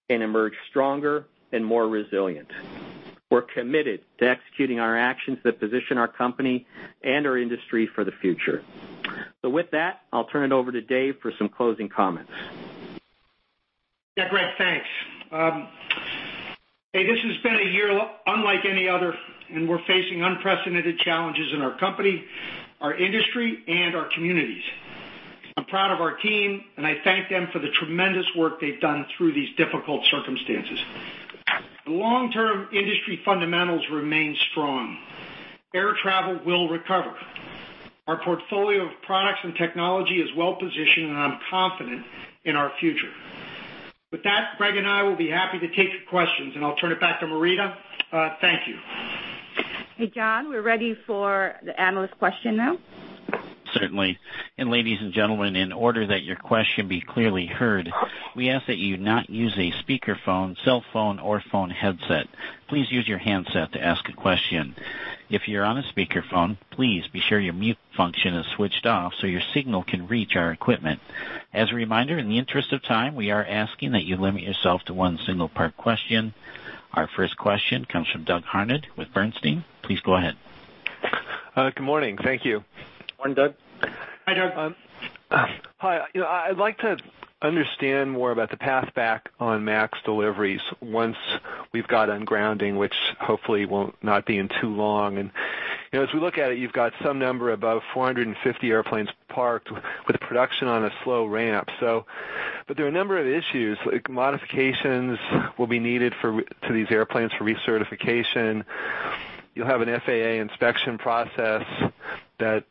and emerge stronger and more resilient. We're committed to executing our actions that position our company and our industry for the future. With that, I'll turn it over to Dave for some closing comments. Yeah, Greg, thanks. Hey, this has been a year unlike any other, and we're facing unprecedented challenges in our company, our industry, and our communities. I'm proud of our team, and I thank them for the tremendous work they've done through these difficult circumstances. The long-term industry fundamentals remain strong. Air travel will recover. Our portfolio of products and technology is well-positioned, and I'm confident in our future. With that, Greg and I will be happy to take your questions, and I'll turn it back to Maurita. Thank you. Hey, John, we're ready for the analyst question now. Certainly. Ladies and gentlemen, in order that your question be clearly heard, we ask that you not use a speakerphone, cell phone, or phone headset. Please use your handset to ask a question. If you're on a speakerphone, please be sure your mute function is switched off so your signal can reach our equipment. As a reminder, in the interest of time, we are asking that you limit yourself to one single part question. Our first question comes from Doug Harned with Bernstein. Please go ahead. Good morning. Thank you. Morning, Doug. Hi, Doug. Hi. I'd like to understand more about the path back on MAX deliveries once we've got ungrounding, which hopefully will not be in too long. As we look at it, you've got some number above 450 airplanes parked with production on a slow ramp. There are a number of issues, like modifications will be needed to these airplanes for recertification. You'll have an FAA inspection process that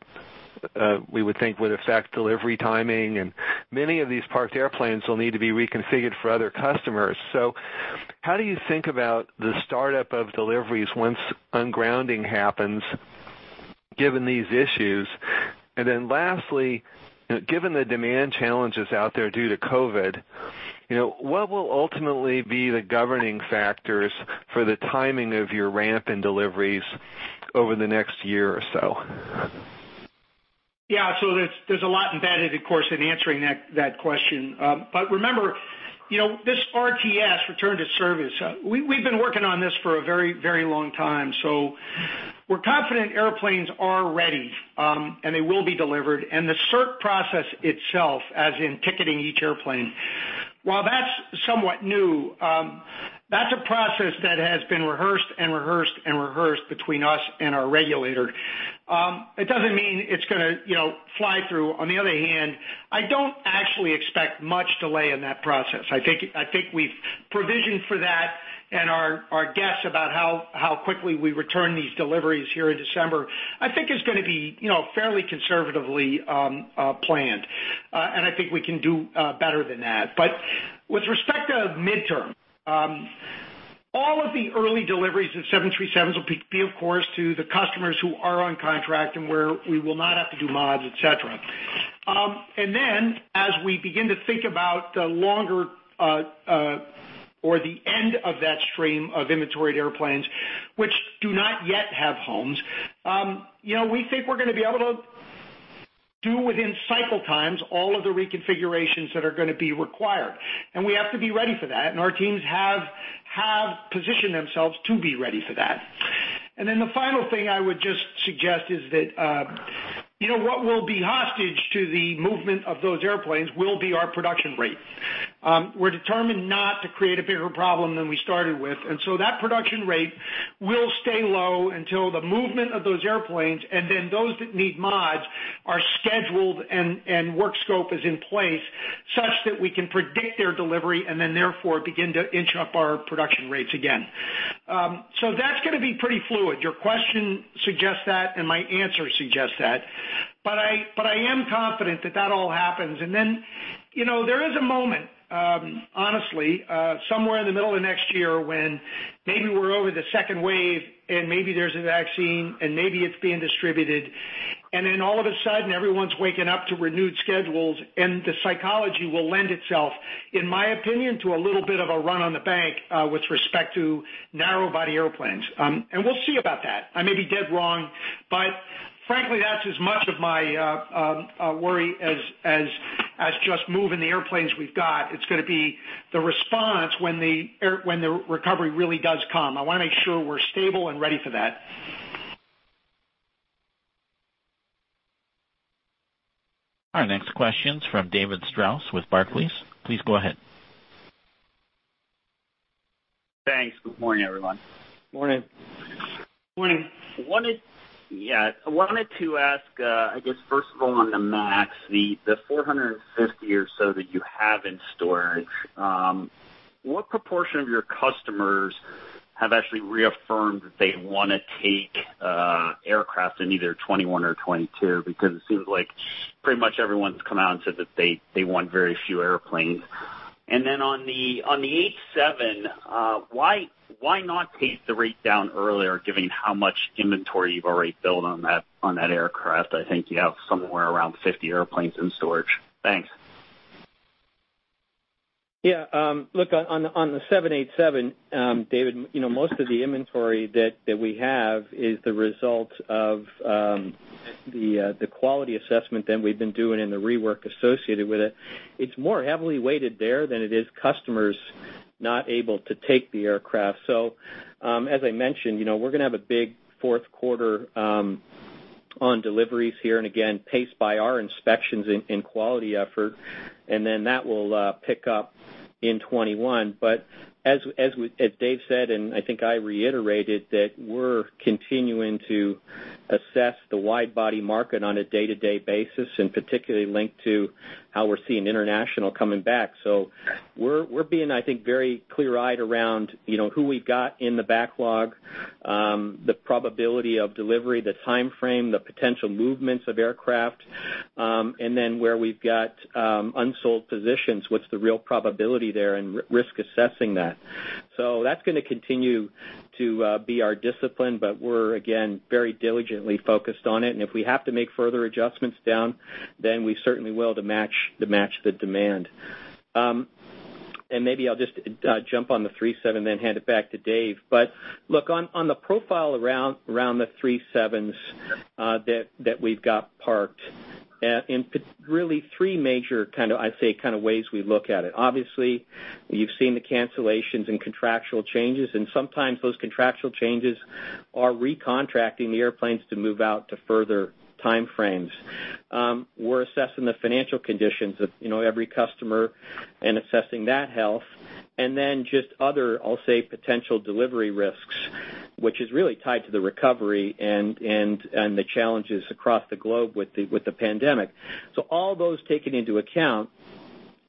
we would think would affect delivery timing, and many of these parked airplanes will need to be reconfigured for other customers. How do you think about the startup of deliveries once ungrounding happens, given these issues? Lastly, given the demand challenges out there due to COVID, what will ultimately be the governing factors for the timing of your ramp in deliveries over the next year or so? Yeah. There's a lot embedded, of course, in answering that question. Remember, this RTS, return to service, we've been working on this for a very long time. We're confident airplanes are ready, and they will be delivered. The cert process itself, as in ticketing each airplane, while that's somewhat new, that's a process that has been rehearsed between us and our regulator. It doesn't mean it's going to fly through. On the other hand, I don't actually expect much delay in that process. I think we've provisioned for that and our guess about how quickly we return these deliveries here in December, I think it's going to be fairly conservatively planned. I think we can do better than that. With respect to midterm, all of the early deliveries of 737s will be, of course, to the customers who are on contract and where we will not have to do mods, et cetera. As we begin to think about the longer or the end of that stream of inventoried airplanes, which do not yet have homes, we think we're going to be able to do within cycle times all of the reconfigurations that are going to be required. We have to be ready for that. Our teams have positioned themselves to be ready for that. The final thing I would just suggest is that what will be hostage to the movement of those airplanes will be our production rate. We're determined not to create a bigger problem than we started with, and so that production rate will stay low until the movement of those airplanes, and then those that need mods are scheduled and work scope is in place such that we can predict their delivery and then therefore begin to inch up our production rates again. That's going to be pretty fluid. Your question suggests that, and my answer suggests that. I am confident that that all happens. Then, there is a moment, honestly, somewhere in the middle of next year when maybe we're over the second wave, and maybe there's a vaccine, and maybe it's being distributed. Then all of a sudden, everyone's waking up to renewed schedules, and the psychology will lend itself, in my opinion, to a little bit of a run on the bank with respect to narrow-body airplanes. We'll see about that. I may be dead wrong, but frankly, that's as much of my worry as just moving the airplanes we've got. It's going to be the response when the recovery really does come. I want to make sure we're stable and ready for that. Our next question's from David Strauss with Barclays. Please go ahead. Thanks. Good morning, everyone. Morning. Morning. I wanted to ask, I guess first of all, on the MAX, the 450 or so that you have in storage, what proportion of your customers have actually reaffirmed that they want to take aircraft in either 2021 or 2022? It seems like pretty much everyone's come out and said that they want very few airplanes. On the 787, why not pace the rate down earlier, given how much inventory you've already built on that aircraft? I think you have somewhere around 50 airplanes in storage. Thanks. Yeah. Look, on the 787, David, most of the inventory that we have is the result of the quality assessment that we've been doing and the rework associated with it. It's more heavily weighted there than it is customers not able to take the aircraft. As I mentioned, we're going to have a big fourth quarter on deliveries here, and again, paced by our inspections in quality effort, and then that will pick up in 2021. As Dave said, and I think I reiterated, that we're continuing to assess the wide-body market on a day-to-day basis, and particularly linked to how we're seeing international coming back. We're being, I think, very clear-eyed around who we've got in the backlog, the probability of delivery, the timeframe, the potential movements of aircraft, and then where we've got unsold positions, what's the real probability there and risk assessing that. That's going to continue to be our discipline, but we're again, very diligently focused on it. If we have to make further adjustments down, then we certainly will to match the demand. Maybe I'll just jump on the 737, then hand it back to Dave. Look, on the profile around the 737s that we've got parked, in really three major kind of, I'd say ways we look at it. Obviously, you've seen the cancellations and contractual changes, and sometimes those contractual changes are recontracting the airplanes to move out to further time frames. We're assessing the financial conditions of every customer and assessing that health, and then just other, I'll say, potential delivery risks, which is really tied to the recovery and the challenges across the globe with the pandemic. All those taken into account,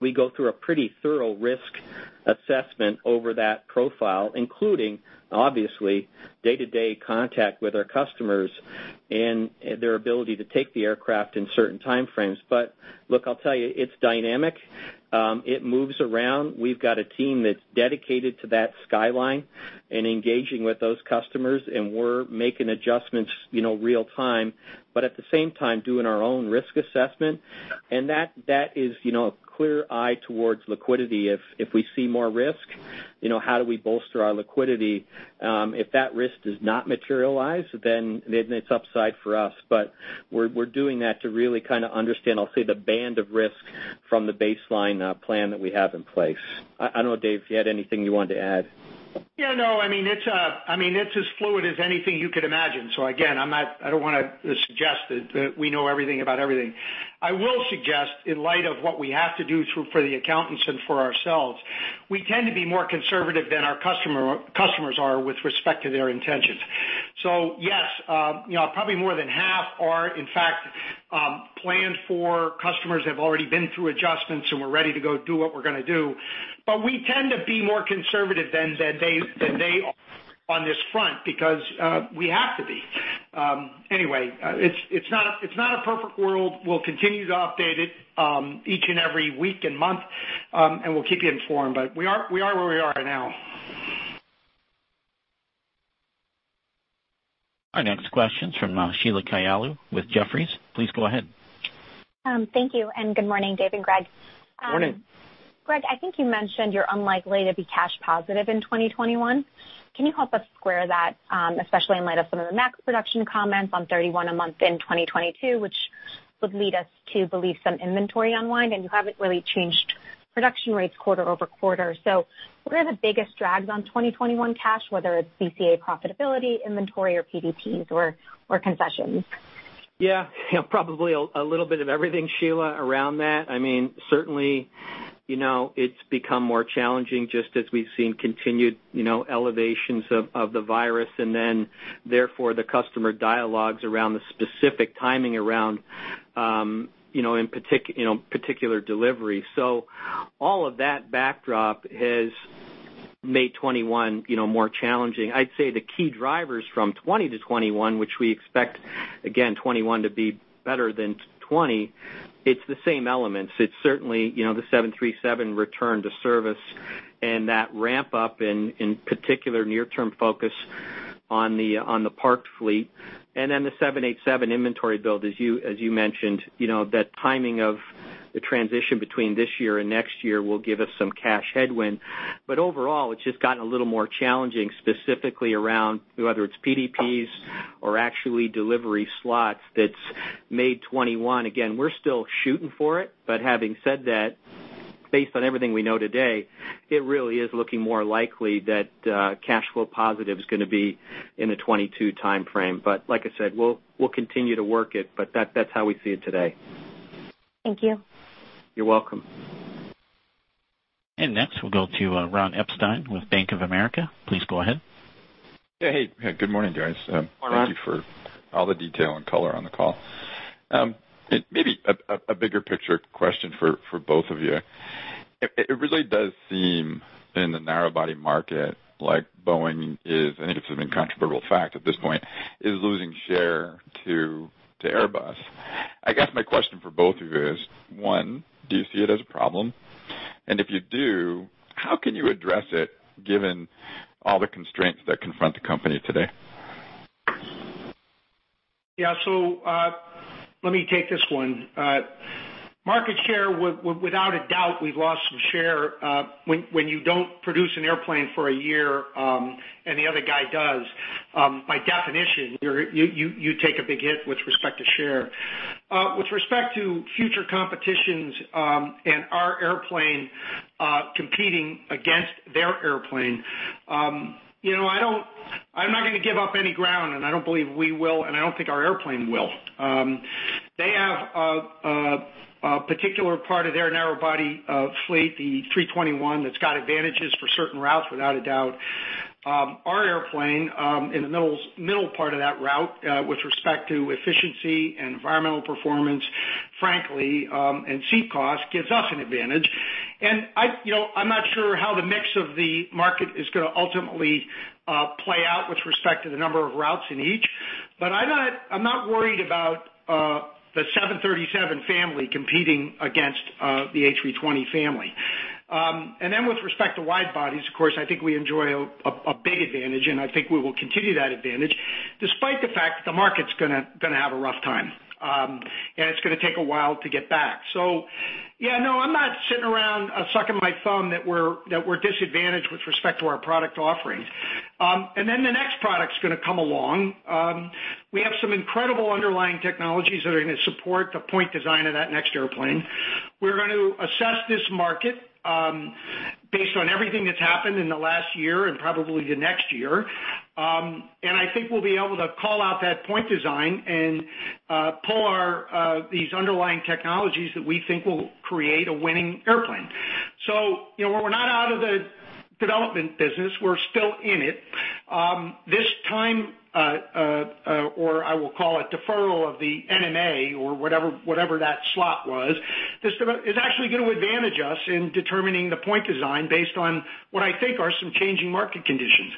we go through a pretty thorough risk assessment over that profile, including, obviously, day-to-day contact with our customers and their ability to take the aircraft in certain time frames. Look, I'll tell you, it's dynamic. It moves around. We've got a team that's dedicated to that skyline and engaging with those customers, and we're making adjustments real time, but at the same time, doing our own risk assessment. That is a clear eye towards liquidity. If we see more risk, how do we bolster our liquidity? If that risk does not materialize, then it's upside for us. We're doing that to really kind of understand, I'll say, the band of risk from the baseline plan that we have in place. I don't know, Dave, if you had anything you wanted to add. Yeah, no, it's as fluid as anything you could imagine. Again, I don't want to suggest that we know everything about everything. I will suggest, in light of what we have to do for the accountants and for ourselves, we tend to be more conservative than our customers are with respect to their intentions. Yes, probably more than half are, in fact, planned for. Customers have already been through adjustments, and we're ready to go do what we're going to do. We tend to be more conservative than they are on this front because we have to be. Anyway, it's not a perfect world. We'll continue to update it each and every week and month, and we'll keep you informed. We are where we are right now. Our next question's from Sheila Kahyaoglu with Jefferies. Please go ahead. Thank you, and good morning, Dave and Greg. Morning. Greg, I think you mentioned you're unlikely to be cash positive in 2021. Can you help us square that, especially in light of some of the MAX production comments on 31 a month in 2022, which would lead us to believe some inventory unwind, and you haven't really changed production rates quarter-over-quarter. What are the biggest drags on 2021 cash, whether it's BCA profitability, inventory or PDPs or concessions? Probably a little bit of everything, Sheila, around that. Certainly, it's become more challenging just as we've seen continued elevations of the virus, and then therefore the customer dialogues around the specific timing around in particular deliveries. All of that backdrop has made 2021 more challenging. I'd say the key drivers from 2020 to 2021, which we expect, again, 2021 to be better than 2020, it's the same elements. It's certainly the 737 return to service and that ramp up, in particular near-term focus on the parked fleet, and then the 787 inventory build, as you mentioned. That timing of the transition between this year and next year will give us some cash headwind. Overall, it's just gotten a little more challenging specifically around whether it's PDPs or actually delivery slots that's made 2021. Again, we're still shooting for it, but having said that, based on everything we know today, it really is looking more likely that cash flow positive is going to be in the 2022 timeframe. Like I said, we'll continue to work it, but that's how we see it today. Thank you. You're welcome. Next, we'll go to Ron Epstein with Bank of America. Please go ahead. Yeah, hey, good morning, guys. Morning. Thank you for all the detail and color on the call. Maybe a bigger picture question for both of you. It really does seem in the narrow-body market like Boeing is, I think it's an incontrovertible fact at this point, is losing share to Airbus. I guess my question for both of you is, one, do you see it as a problem? If you do, how can you address it given all the constraints that confront the company today? Let me take this one. Market share, without a doubt, we've lost some share. When you don't produce an airplane for a year and the other guy does, by definition, you take a big hit with respect to share. With respect to future competitions and our airplane competing against their airplane, I'm not going to give up any ground, and I don't believe we will, and I don't think our airplane will. They have a particular part of their narrow body fleet, the A321, that's got advantages for certain routes, without a doubt. Our airplane, in the middle part of that route, with respect to efficiency and environmental performance, frankly, and seat cost, gives us an advantage. I'm not sure how the mix of the market is going to ultimately play out with respect to the number of routes in each. I'm not worried about the 737 family competing against the A320 family. With respect to wide bodies, of course, I think we enjoy a big advantage, and I think we will continue that advantage despite the fact that the market's going to have a rough time, and it's going to take a while to get back. Yeah, no, I'm not sitting around, sucking my thumb that we're disadvantaged with respect to our product offerings. The next product's going to come along. We have some incredible underlying technologies that are going to support the point design of that next airplane. We're going to assess this market based on everything that's happened in the last year and probably the next year. I think we'll be able to call out that point design and pull these underlying technologies that we think will create a winning airplane. We're not out of the development business. We're still in it. This time, or I will call it deferral of the NMA or whatever that slot was, is actually going to advantage us in determining the point design based on what I think are some changing market conditions.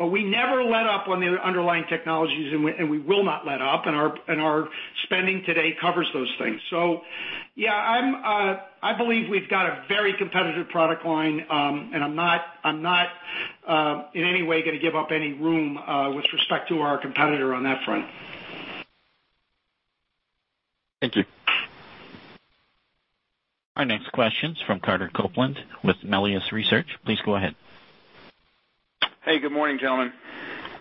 We never let up on the underlying technologies, and we will not let up, and our spending today covers those things. Yeah, I believe we've got a very competitive product line, and I'm not in any way going to give up any room with respect to our competitor on that front. Thank you. Our next question's from Carter Copeland with Melius Research. Please go ahead. Hey, good morning, gentlemen.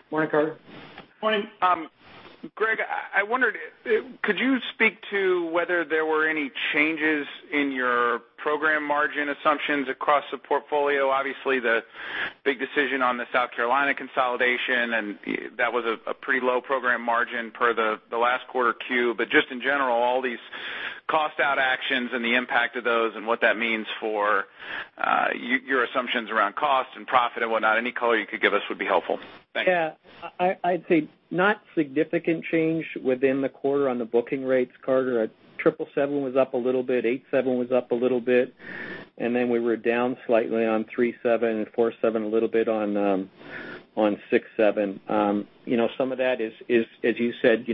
Morning, Carter. Morning. Greg, I wondered, could you speak to whether there were any changes in your program margin assumptions across the portfolio? Obviously, the big decision on the South Carolina consolidation, and that was a pretty low program margin per the last quarter Q. Just in general, all these cost-out actions and the impact of those and what that means for your assumptions around cost and profit and whatnot, any color you could give us would be helpful. Thanks. Yeah. I'd say not significant change within the quarter on the booking rates, Carter. 777 was up a little bit, 787 was up a little bit, and then we were down slightly on 737 and 747, a little bit on 767. Some of that is, as you said,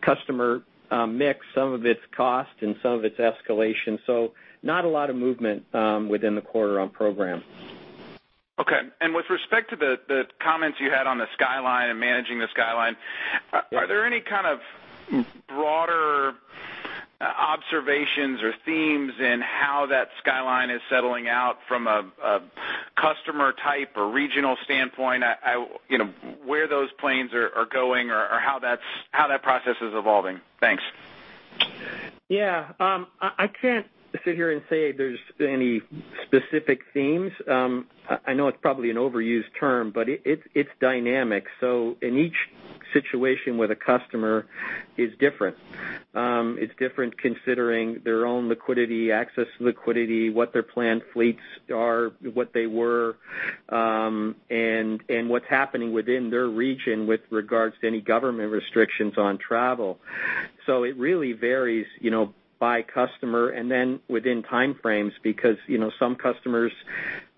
customer mix, some of it's cost, and some of it's escalation. Not a lot of movement within the quarter on program. Okay. With respect to the comments you had on the skyline and managing the skyline, are there any kind of broader observations or themes in how that skyline is settling out from a customer type or regional standpoint, where those planes are going or how that process is evolving? Thanks. Yeah. I can't sit here and say there's any specific themes. I know it's probably an overused term, but it's dynamic. In each situation with a customer is different. It's different considering their own liquidity, access to liquidity, what their planned fleets are, what they were, and what's happening within their region with regards to any government restrictions on travel. It really varies by customer and then within time frames, because some customers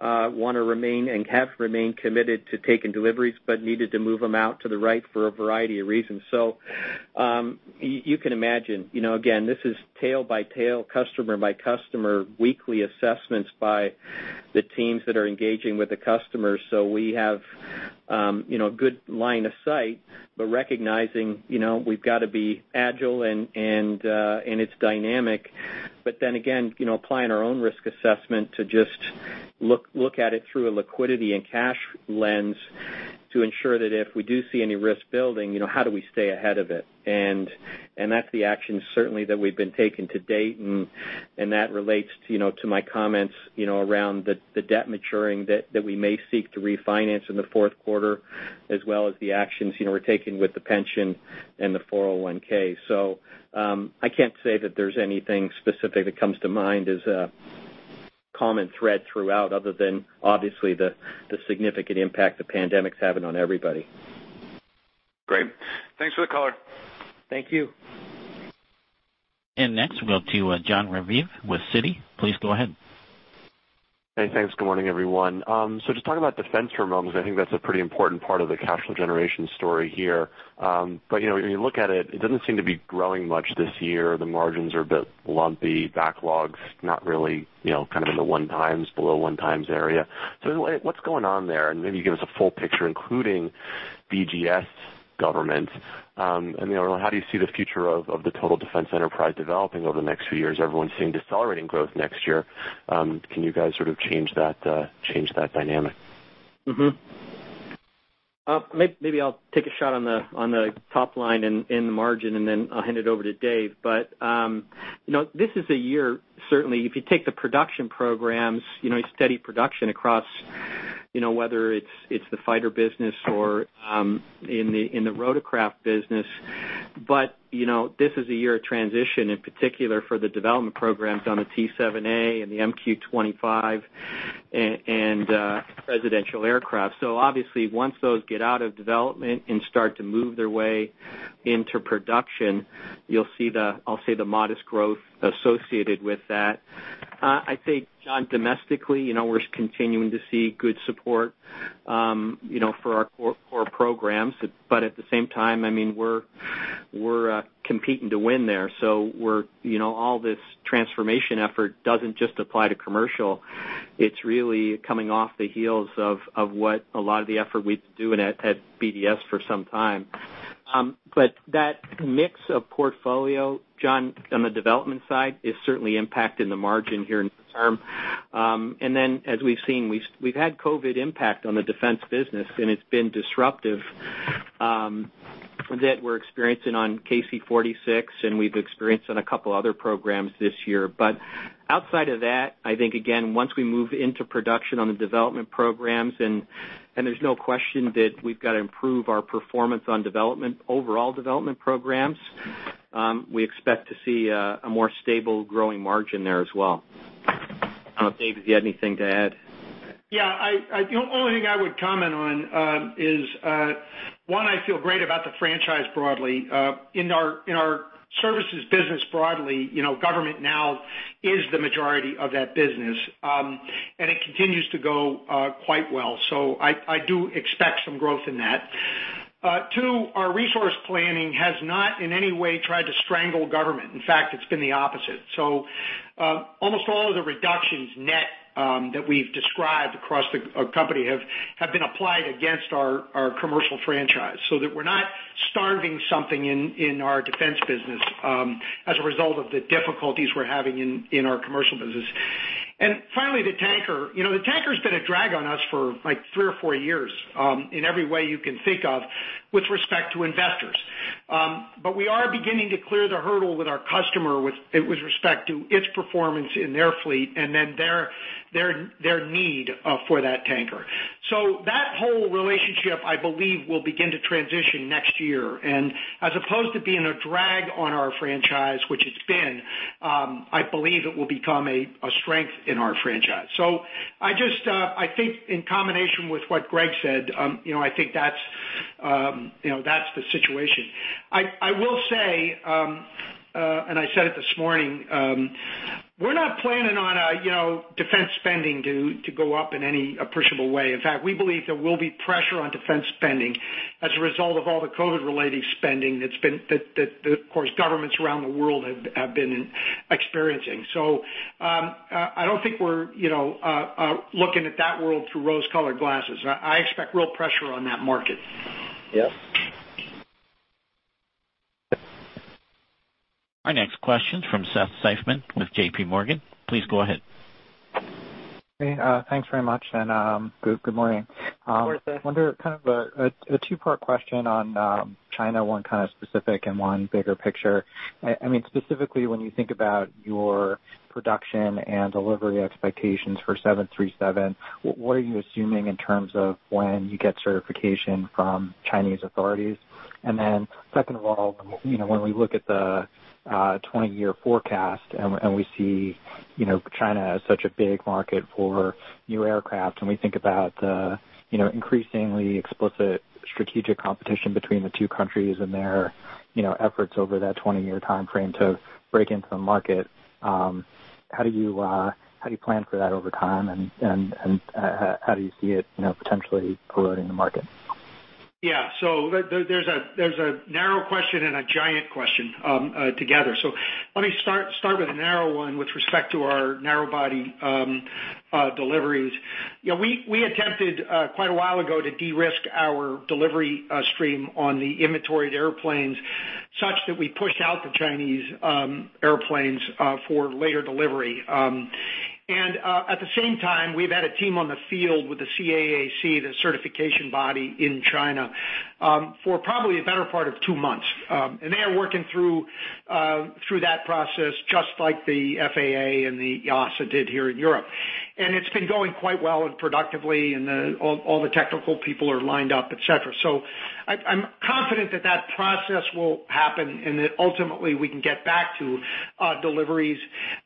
want to remain and have remained committed to taking deliveries, but needed to move them out to the right for a variety of reasons. You can imagine. Again, this is tail by tail, customer by customer, weekly assessments by the teams that are engaging with the customers. We have a good line of sight, but recognizing we've got to be agile, and it's dynamic. Again, applying our own risk assessment to just look at it through a liquidity and cash lens to ensure that if we do see any risk building, how do we stay ahead of it? That's the action certainly that we've been taking to date, and that relates to my comments around the debt maturing that we may seek to refinance in the fourth quarter, as well as the actions we're taking with the pension and the 401(k). I can't say that there's anything specific that comes to mind as a common thread throughout other than obviously the significant impact the pandemic's having on everybody. Great. Thanks for the color. Thank you. Next, we'll go to Jon Raviv with Citi. Please go ahead. Hey, thanks. Good morning, everyone. Just talking about defense for a moment, because I think that's a pretty important part of the cash flow generation story here. When you look at it doesn't seem to be growing much this year. The margins are a bit lumpy, backlogs, not really, kind of in the one times, below one times area. What's going on there? Maybe give us a full picture, including BGS government. How do you see the future of the total defense enterprise developing over the next few years? Everyone's seeing decelerating growth next year. Can you guys sort of change that dynamic? Mm-hmm. Maybe I'll take a shot on the top line and the margin, and then I'll hand it over to Dave. This is a year, certainly, if you take the production programs, steady production across whether it's the fighter business or in the rotorcraft business. This is a year of transition, in particular for the development programs on the T-7A and the MQ-25 and Presidential Aircraft. Obviously, once those get out of development and start to move their way into production, you'll see the, I'll say, the modest growth associated with that. I think, Jon, domestically, we're continuing to see good support for our core programs. At the same time, we're competing to win there. All this transformation effort doesn't just apply to commercial. It's really coming off the heels of what a lot of the effort we've been doing at BDS for some time. That mix of portfolio, Jon, on the development side, is certainly impacting the margin here in the term. As we've seen, we've had COVID impact on the defense business, and it's been disruptive, that we're experiencing on KC-46, and we've experienced on a couple other programs this year. Outside of that, I think, again, once we move into production on the development programs, and there's no question that we've got to improve our performance on overall development programs, we expect to see a more stable growing margin there as well. I don't know, Dave, if you had anything to add. Yeah. The only thing I would comment on is, one, I feel great about the franchise broadly. In our services business broadly, government now is the majority of that business. It continues to go quite well. I do expect some growth in that. Two, our resource planning has not in any way tried to strangle government. In fact, it's been the opposite. Almost all of the reductions net that we've described across the company have been applied against our commercial franchise, so that we're not starving something in our defense business as a result of the difficulties we're having in our commercial business. Finally, the tanker. The tanker's been a drag on us for three or four years, in every way you can think of, with respect to investors. We are beginning to clear the hurdle with our customer with respect to its performance in their fleet and then their need for that tanker. That whole relationship, I believe, will begin to transition next year. As opposed to being a drag on our franchise, which it's been, I believe it will become a strength in our franchise. I think in combination with what Greg said, I think that's the situation. I will say, and I said it this morning, we're not planning on defense spending to go up in any appreciable way. In fact, we believe there will be pressure on defense spending as a result of all the COVID-related spending that, of course, governments around the world have been experiencing. I don't think we're looking at that world through rose-colored glasses. I expect real pressure on that market. Yep. Our next question from Seth Seifman with JPMorgan. Please go ahead. Hey, thanks very much. Good morning. Of course, Seth. Wonder, kind of a two-part question on China, one kind of specific and one bigger picture. Specifically, when you think about your production and delivery expectations for 737, what are you assuming in terms of when you get certification from Chinese authorities? Second of all, when we look at the 20-year forecast, and we see China as such a big market for new aircraft, and we think about the increasingly explicit strategic competition between the two countries and their efforts over that 20-year timeframe to break into the market, how do you plan for that over time, and how do you see it potentially eroding the market? Yeah. There's a narrow question and a giant question together. Let me start with the narrow one with respect to our narrow body deliveries. We attempted quite a while ago to de-risk our delivery stream on the inventoried airplanes, such that we pushed out the Chinese airplanes for later delivery. At the same time, we've had a team on the field with the CAAC, the certification body in China, for probably a better part of two months. They are working through that process just like the FAA and the EASA did here in Europe. It's been going quite well and productively, and all the technical people are lined up, et cetera. I'm confident that that process will happen, and that ultimately we can get back to deliveries.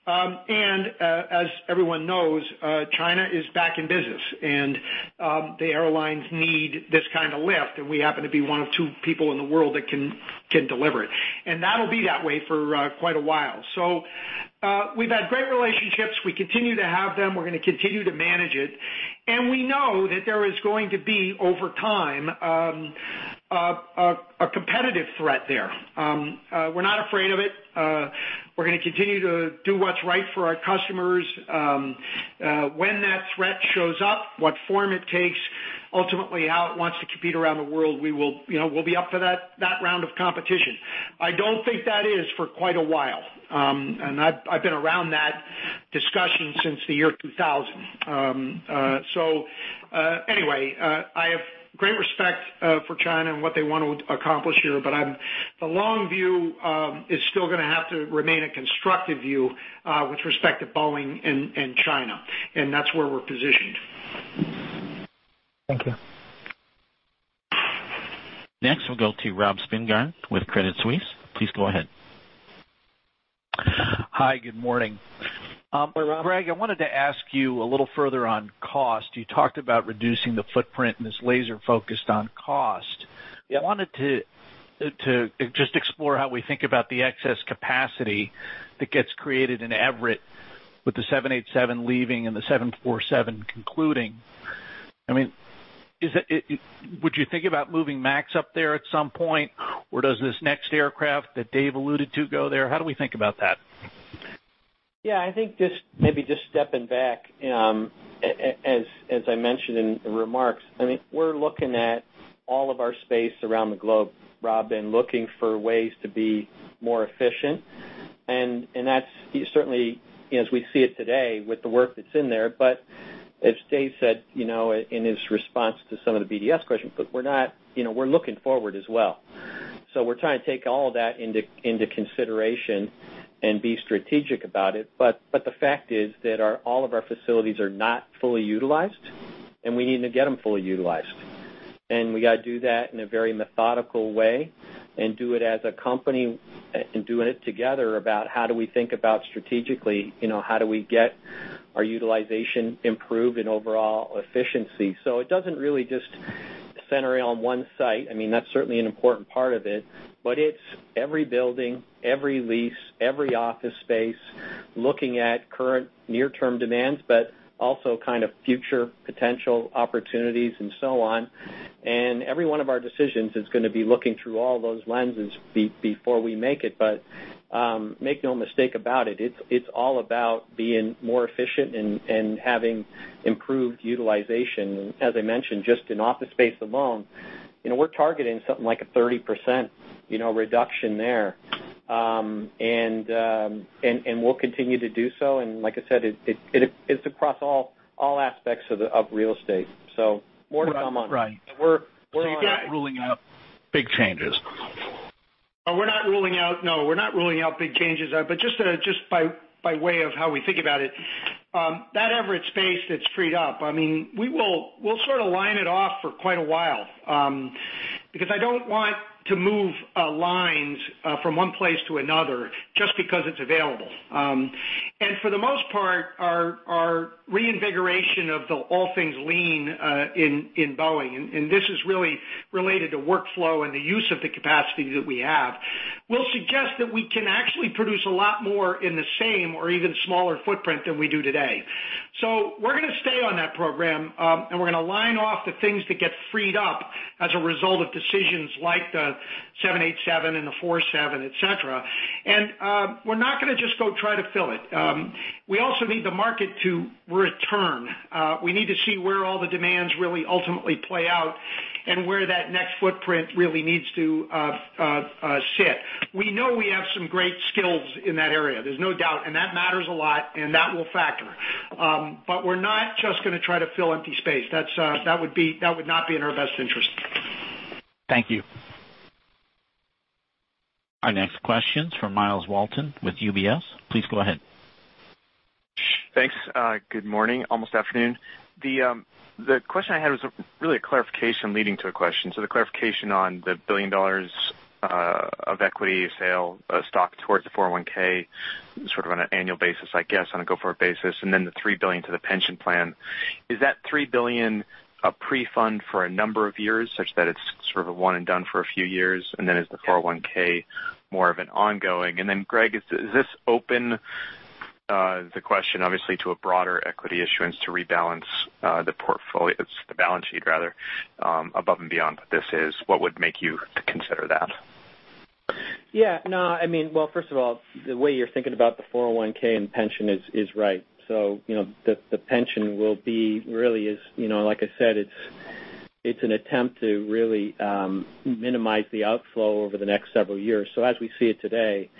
As everyone knows, China is back in business, and the airlines need this kind of lift, and we happen to be one of two people in the world that can deliver it. That'll be that way for quite a while. We've had great relationships. We continue to have them. We're going to continue to manage it. We know that there is going to be, over time, a competitive threat there. We're not afraid of it. We're going to continue to do what's right for our customers. When that threat shows up, what form it takes, ultimately how it wants to compete around the world, we'll be up for that round of competition. I don't think that is for quite a while. I've been around that discussion since the year 2000. Anyway, I have great respect for China and what they want to accomplish here. The long view is still going to have to remain a constructive view with respect to Boeing and China. That's where we're positioned. Thank you. Next, we'll go to Rob Spingarn with Credit Suisse. Please go ahead. Hi, good morning. Good morning, Rob. Greg, I wanted to ask you a little further on cost. You talked about reducing the footprint and this laser focused on cost. I wanted to just explore how we think about the excess capacity that gets created in Everett with the 787 leaving and the 747 concluding. Would you think about moving MAX up there at some point, or does this next aircraft that Dave alluded to go there? How do we think about that? I think maybe just stepping back, as I mentioned in the remarks, we're looking at all of our space around the globe, Rob, and looking for ways to be more efficient, and that's certainly as we see it today with the work that's in there. As Dave said, in his response to some of the BDS questions, we're looking forward as well. We're trying to take all of that into consideration and be strategic about it. The fact is that all of our facilities are not fully utilized, and we need to get them fully utilized. We got to do that in a very methodical way and do it as a company and do it together about how do we think about strategically, how do we get our utilization improved and overall efficiency. It doesn't really just center on one site. That's certainly an important part of it, but it's every building, every lease, every office space, looking at current near-term demands, but also kind of future potential opportunities and so on. Every one of our decisions is going to be looking through all those lenses before we make it. Make no mistake about it's all about being more efficient and having improved utilization. As I mentioned, just in office space alone, we're targeting something like a 30% reduction there. We'll continue to do so, and like I said, it's across all aspects of real estate. More to come on that. Right. And we're- You're not ruling out big changes. We're not ruling out. We're not ruling out big changes. Just by way of how we think about it, that Everett space that's freed up, we'll sort of line it off for quite a while, because I don't want to move lines from one place to another just because it's available. For the most part, our reinvigoration of the all things lean in Boeing, and this is really related to workflow and the use of the capacity that we have, will suggest that we can actually produce a lot more in the same or even smaller footprint than we do today. We're going to stay on that program, and we're going to line off the things that get freed up as a result of decisions like the 787 and the 747, et cetera. We're not going to just go try to fill it. We also need the market to return. We need to see where all the demands really ultimately play out and where that next footprint really needs to sit. We know we have some great skills in that area. There's no doubt, and that matters a lot, and that will factor. We're not just going to try to fill empty space. That would not be in our best interest. Thank you. Our next question's from Myles Walton with UBS. Please go ahead. Thanks. Good morning, almost afternoon. The question I had was really a clarification leading to a question. The clarification on the $1 billion of equity sale stock towards the 401(k), sort of on an annual basis, I guess, on a go-forward basis, and then the $3 billion to the pension plan. Is that $3 billion a pre-fund for a number of years, such that it's sort of a one and done for a few years? Is the 401(k) more of an ongoing? Greg, does this open the question, obviously, to a broader equity issuance to rebalance the portfolio, the balance sheet, rather, above and beyond what this is, what would make you consider that? Well, first of all, the way you're thinking about the 401(k) and pension is right. The pension will be really, like I said, it's an attempt to really minimize the outflow over the next several years. As we see it today,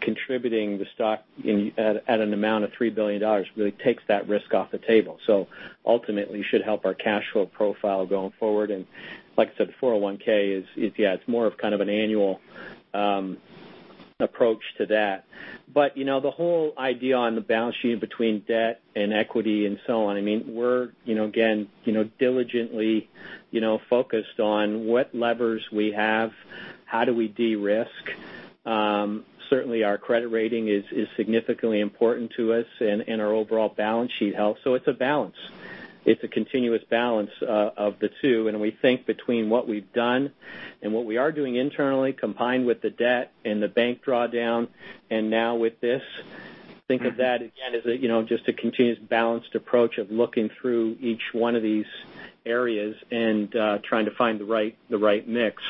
contributing the stock at an amount of $3 billion will take that risk off the table. Ultimately, should help our cash flow profile going forward. Like I said, the 401(k) is more of kind of an annual approach to that. The whole idea on the balance sheet between debt and equity and so on, we're, again, diligently focused on what levers we have. How do we de-risk? Certainly, our credit rating is significantly important to us and our overall balance sheet health. It's a balance. It's a continuous balance of the two, and we think between what we've done and what we are doing internally, combined with the debt and the bank drawdown, and now with this, think of that, again, as just a continuous balanced approach of looking through each one of these areas and trying to find the right mix.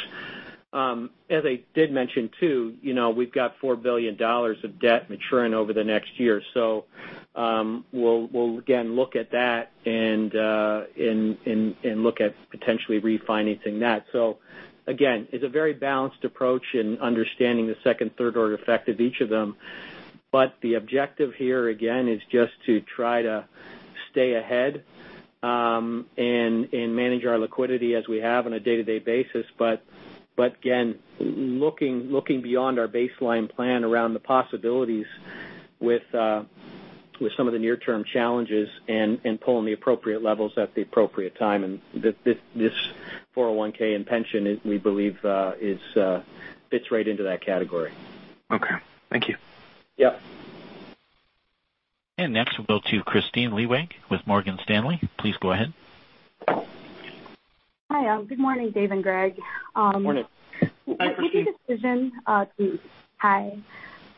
As I did mention too, we've got $4 billion of debt maturing over the next year. We'll, again, look at that and look at potentially refinancing that. Again, it's a very balanced approach in understanding the second, third order effect of each of them. The objective here, again, is just to try to stay ahead, and manage our liquidity as we have on a day-to-day basis. Again, looking beyond our baseline plan around the possibilities with some of the near-term challenges and pulling the appropriate levels at the appropriate time, and this 401(k) and pension, we believe, fits right into that category. Okay. Thank you. Yep. Next we'll go to Kristine Liwag with Morgan Stanley. Please go ahead. Hi. Good morning, Dave and Greg. Morning. Hi, Kristine. Hi.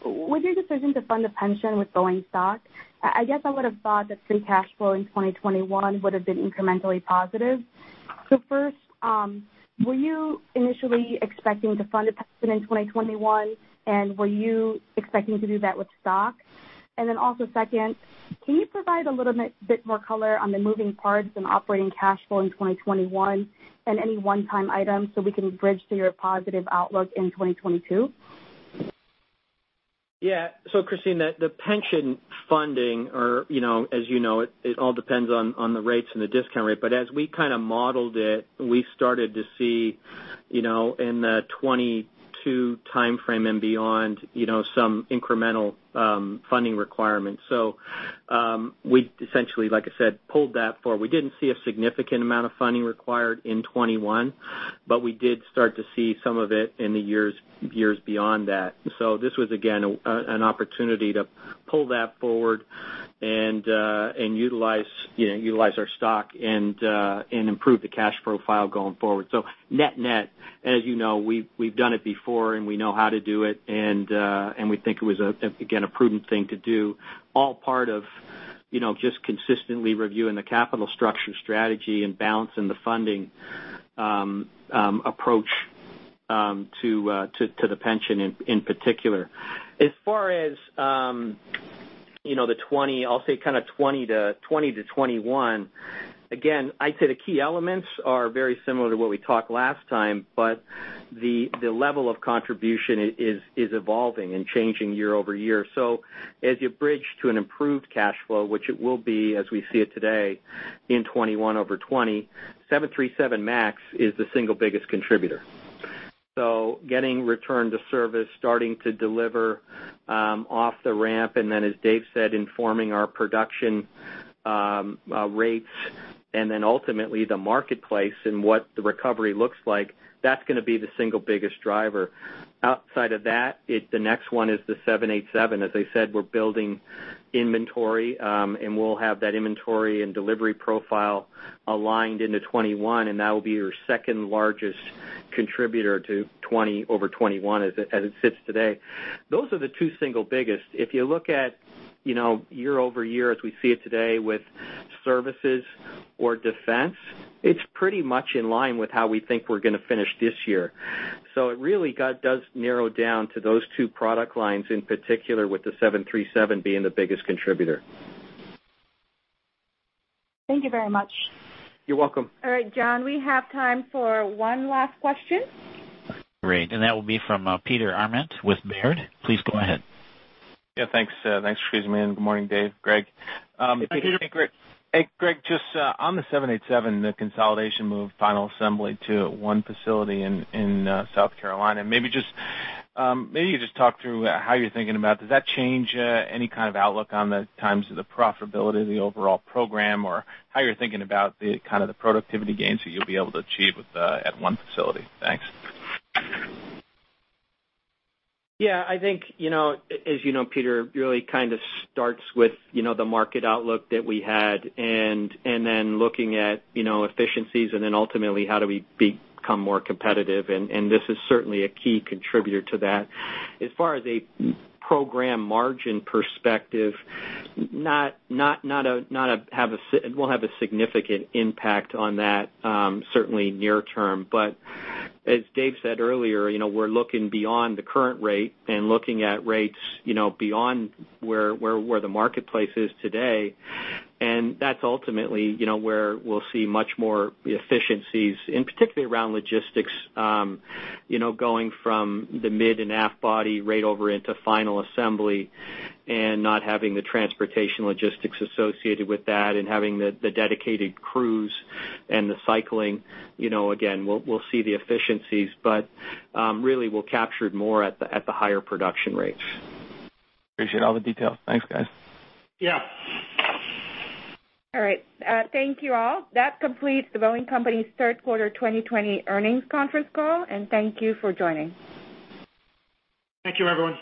With your decision to fund the pension with Boeing stock, I guess I would've thought that free cash flow in 2021 would've been incrementally positive. First, were you initially expecting to fund a pension in 2021, and were you expecting to do that with stock? Second, can you provide a little bit more color on the moving parts and operating cash flow in 2021 and any one-time items so we can bridge to your positive outlook in 2022? Yeah. Kristine, the pension funding, or as you know, it all depends on the rates and the discount rate, but as we kind of modeled it, we started to see, in the 2022 timeframe and beyond, some incremental funding requirements. We essentially, like I said, pulled that forward. We didn't see a significant amount of funding required in 2021, but we did start to see some of it in the years beyond that. This was, again, an opportunity to pull that forward and utilize our stock and improve the cash profile going forward. Net-net, as you know, we've done it before, and we know how to do it. We think it was, again, a prudent thing to do, all part of just consistently reviewing the capital structure strategy and balancing the funding approach to the pension in particular. As far as the 2020, I'll say kind of 2020-2021, I'd say the key elements are very similar to what we talked last time, but the level of contribution is evolving and changing year-over-year. As you bridge to an improved cash flow, which it will be as we see it today in 2021 over 2020, 737 MAX is the single biggest contributor. Getting return to service, starting to deliver off the ramp, as Dave said, informing our production rates, and then ultimately the marketplace and what the recovery looks like, that's going to be the single biggest driver. Outside of that, the next one is the 787. As I said, we're building inventory, we'll have that inventory and delivery profile aligned into 2021, that will be your second largest contributor to 2020 over 2021 as it sits today. Those are the two single biggest. If you look at year-over-year as we see it today with services or defense, it's pretty much in line with how we think we're going to finish this year. It really does narrow down to those two product lines in particular, with the 737 being the biggest contributor. Thank you very much. You're welcome. All right. John, we have time for one last question. Great. That will be from Peter Arment with Baird. Please go ahead. Thanks. Thanks for squeezing me in. Good morning, Dave, Greg. Hey, Peter. Hey, Greg. Just on the 787, the consolidation move final assembly to one facility in South Carolina, maybe you just talk through how you're thinking about does that change any kind of outlook on the times of the profitability of the overall program, or how you're thinking about the kind of the productivity gains that you'll be able to achieve at one facility? Thanks. Yeah, I think, as you know Peter, really kind of starts with the Boeing Market Outlook that we had and then looking at efficiencies and then ultimately how do we become more competitive, and this is certainly a key contributor to that. As far as a program margin perspective, it won't have a significant impact on that certainly near term. As Dave said earlier, we're looking beyond the current rate and looking at rates beyond where the marketplace is today. That's ultimately where we'll see much more efficiencies, and particularly around logistics, going from the mid and aft body right over into final assembly and not having the transportation logistics associated with that and having the dedicated crews and the cycling. Again, we'll see the efficiencies. Really we'll capture it more at the higher production rates. Appreciate all the details. Thanks, guys. Yeah. All right. Thank you all. That completes The Boeing Company's Third Quarter 2020 Earnings Conference Call, and thank you for joining. Thank you everyone.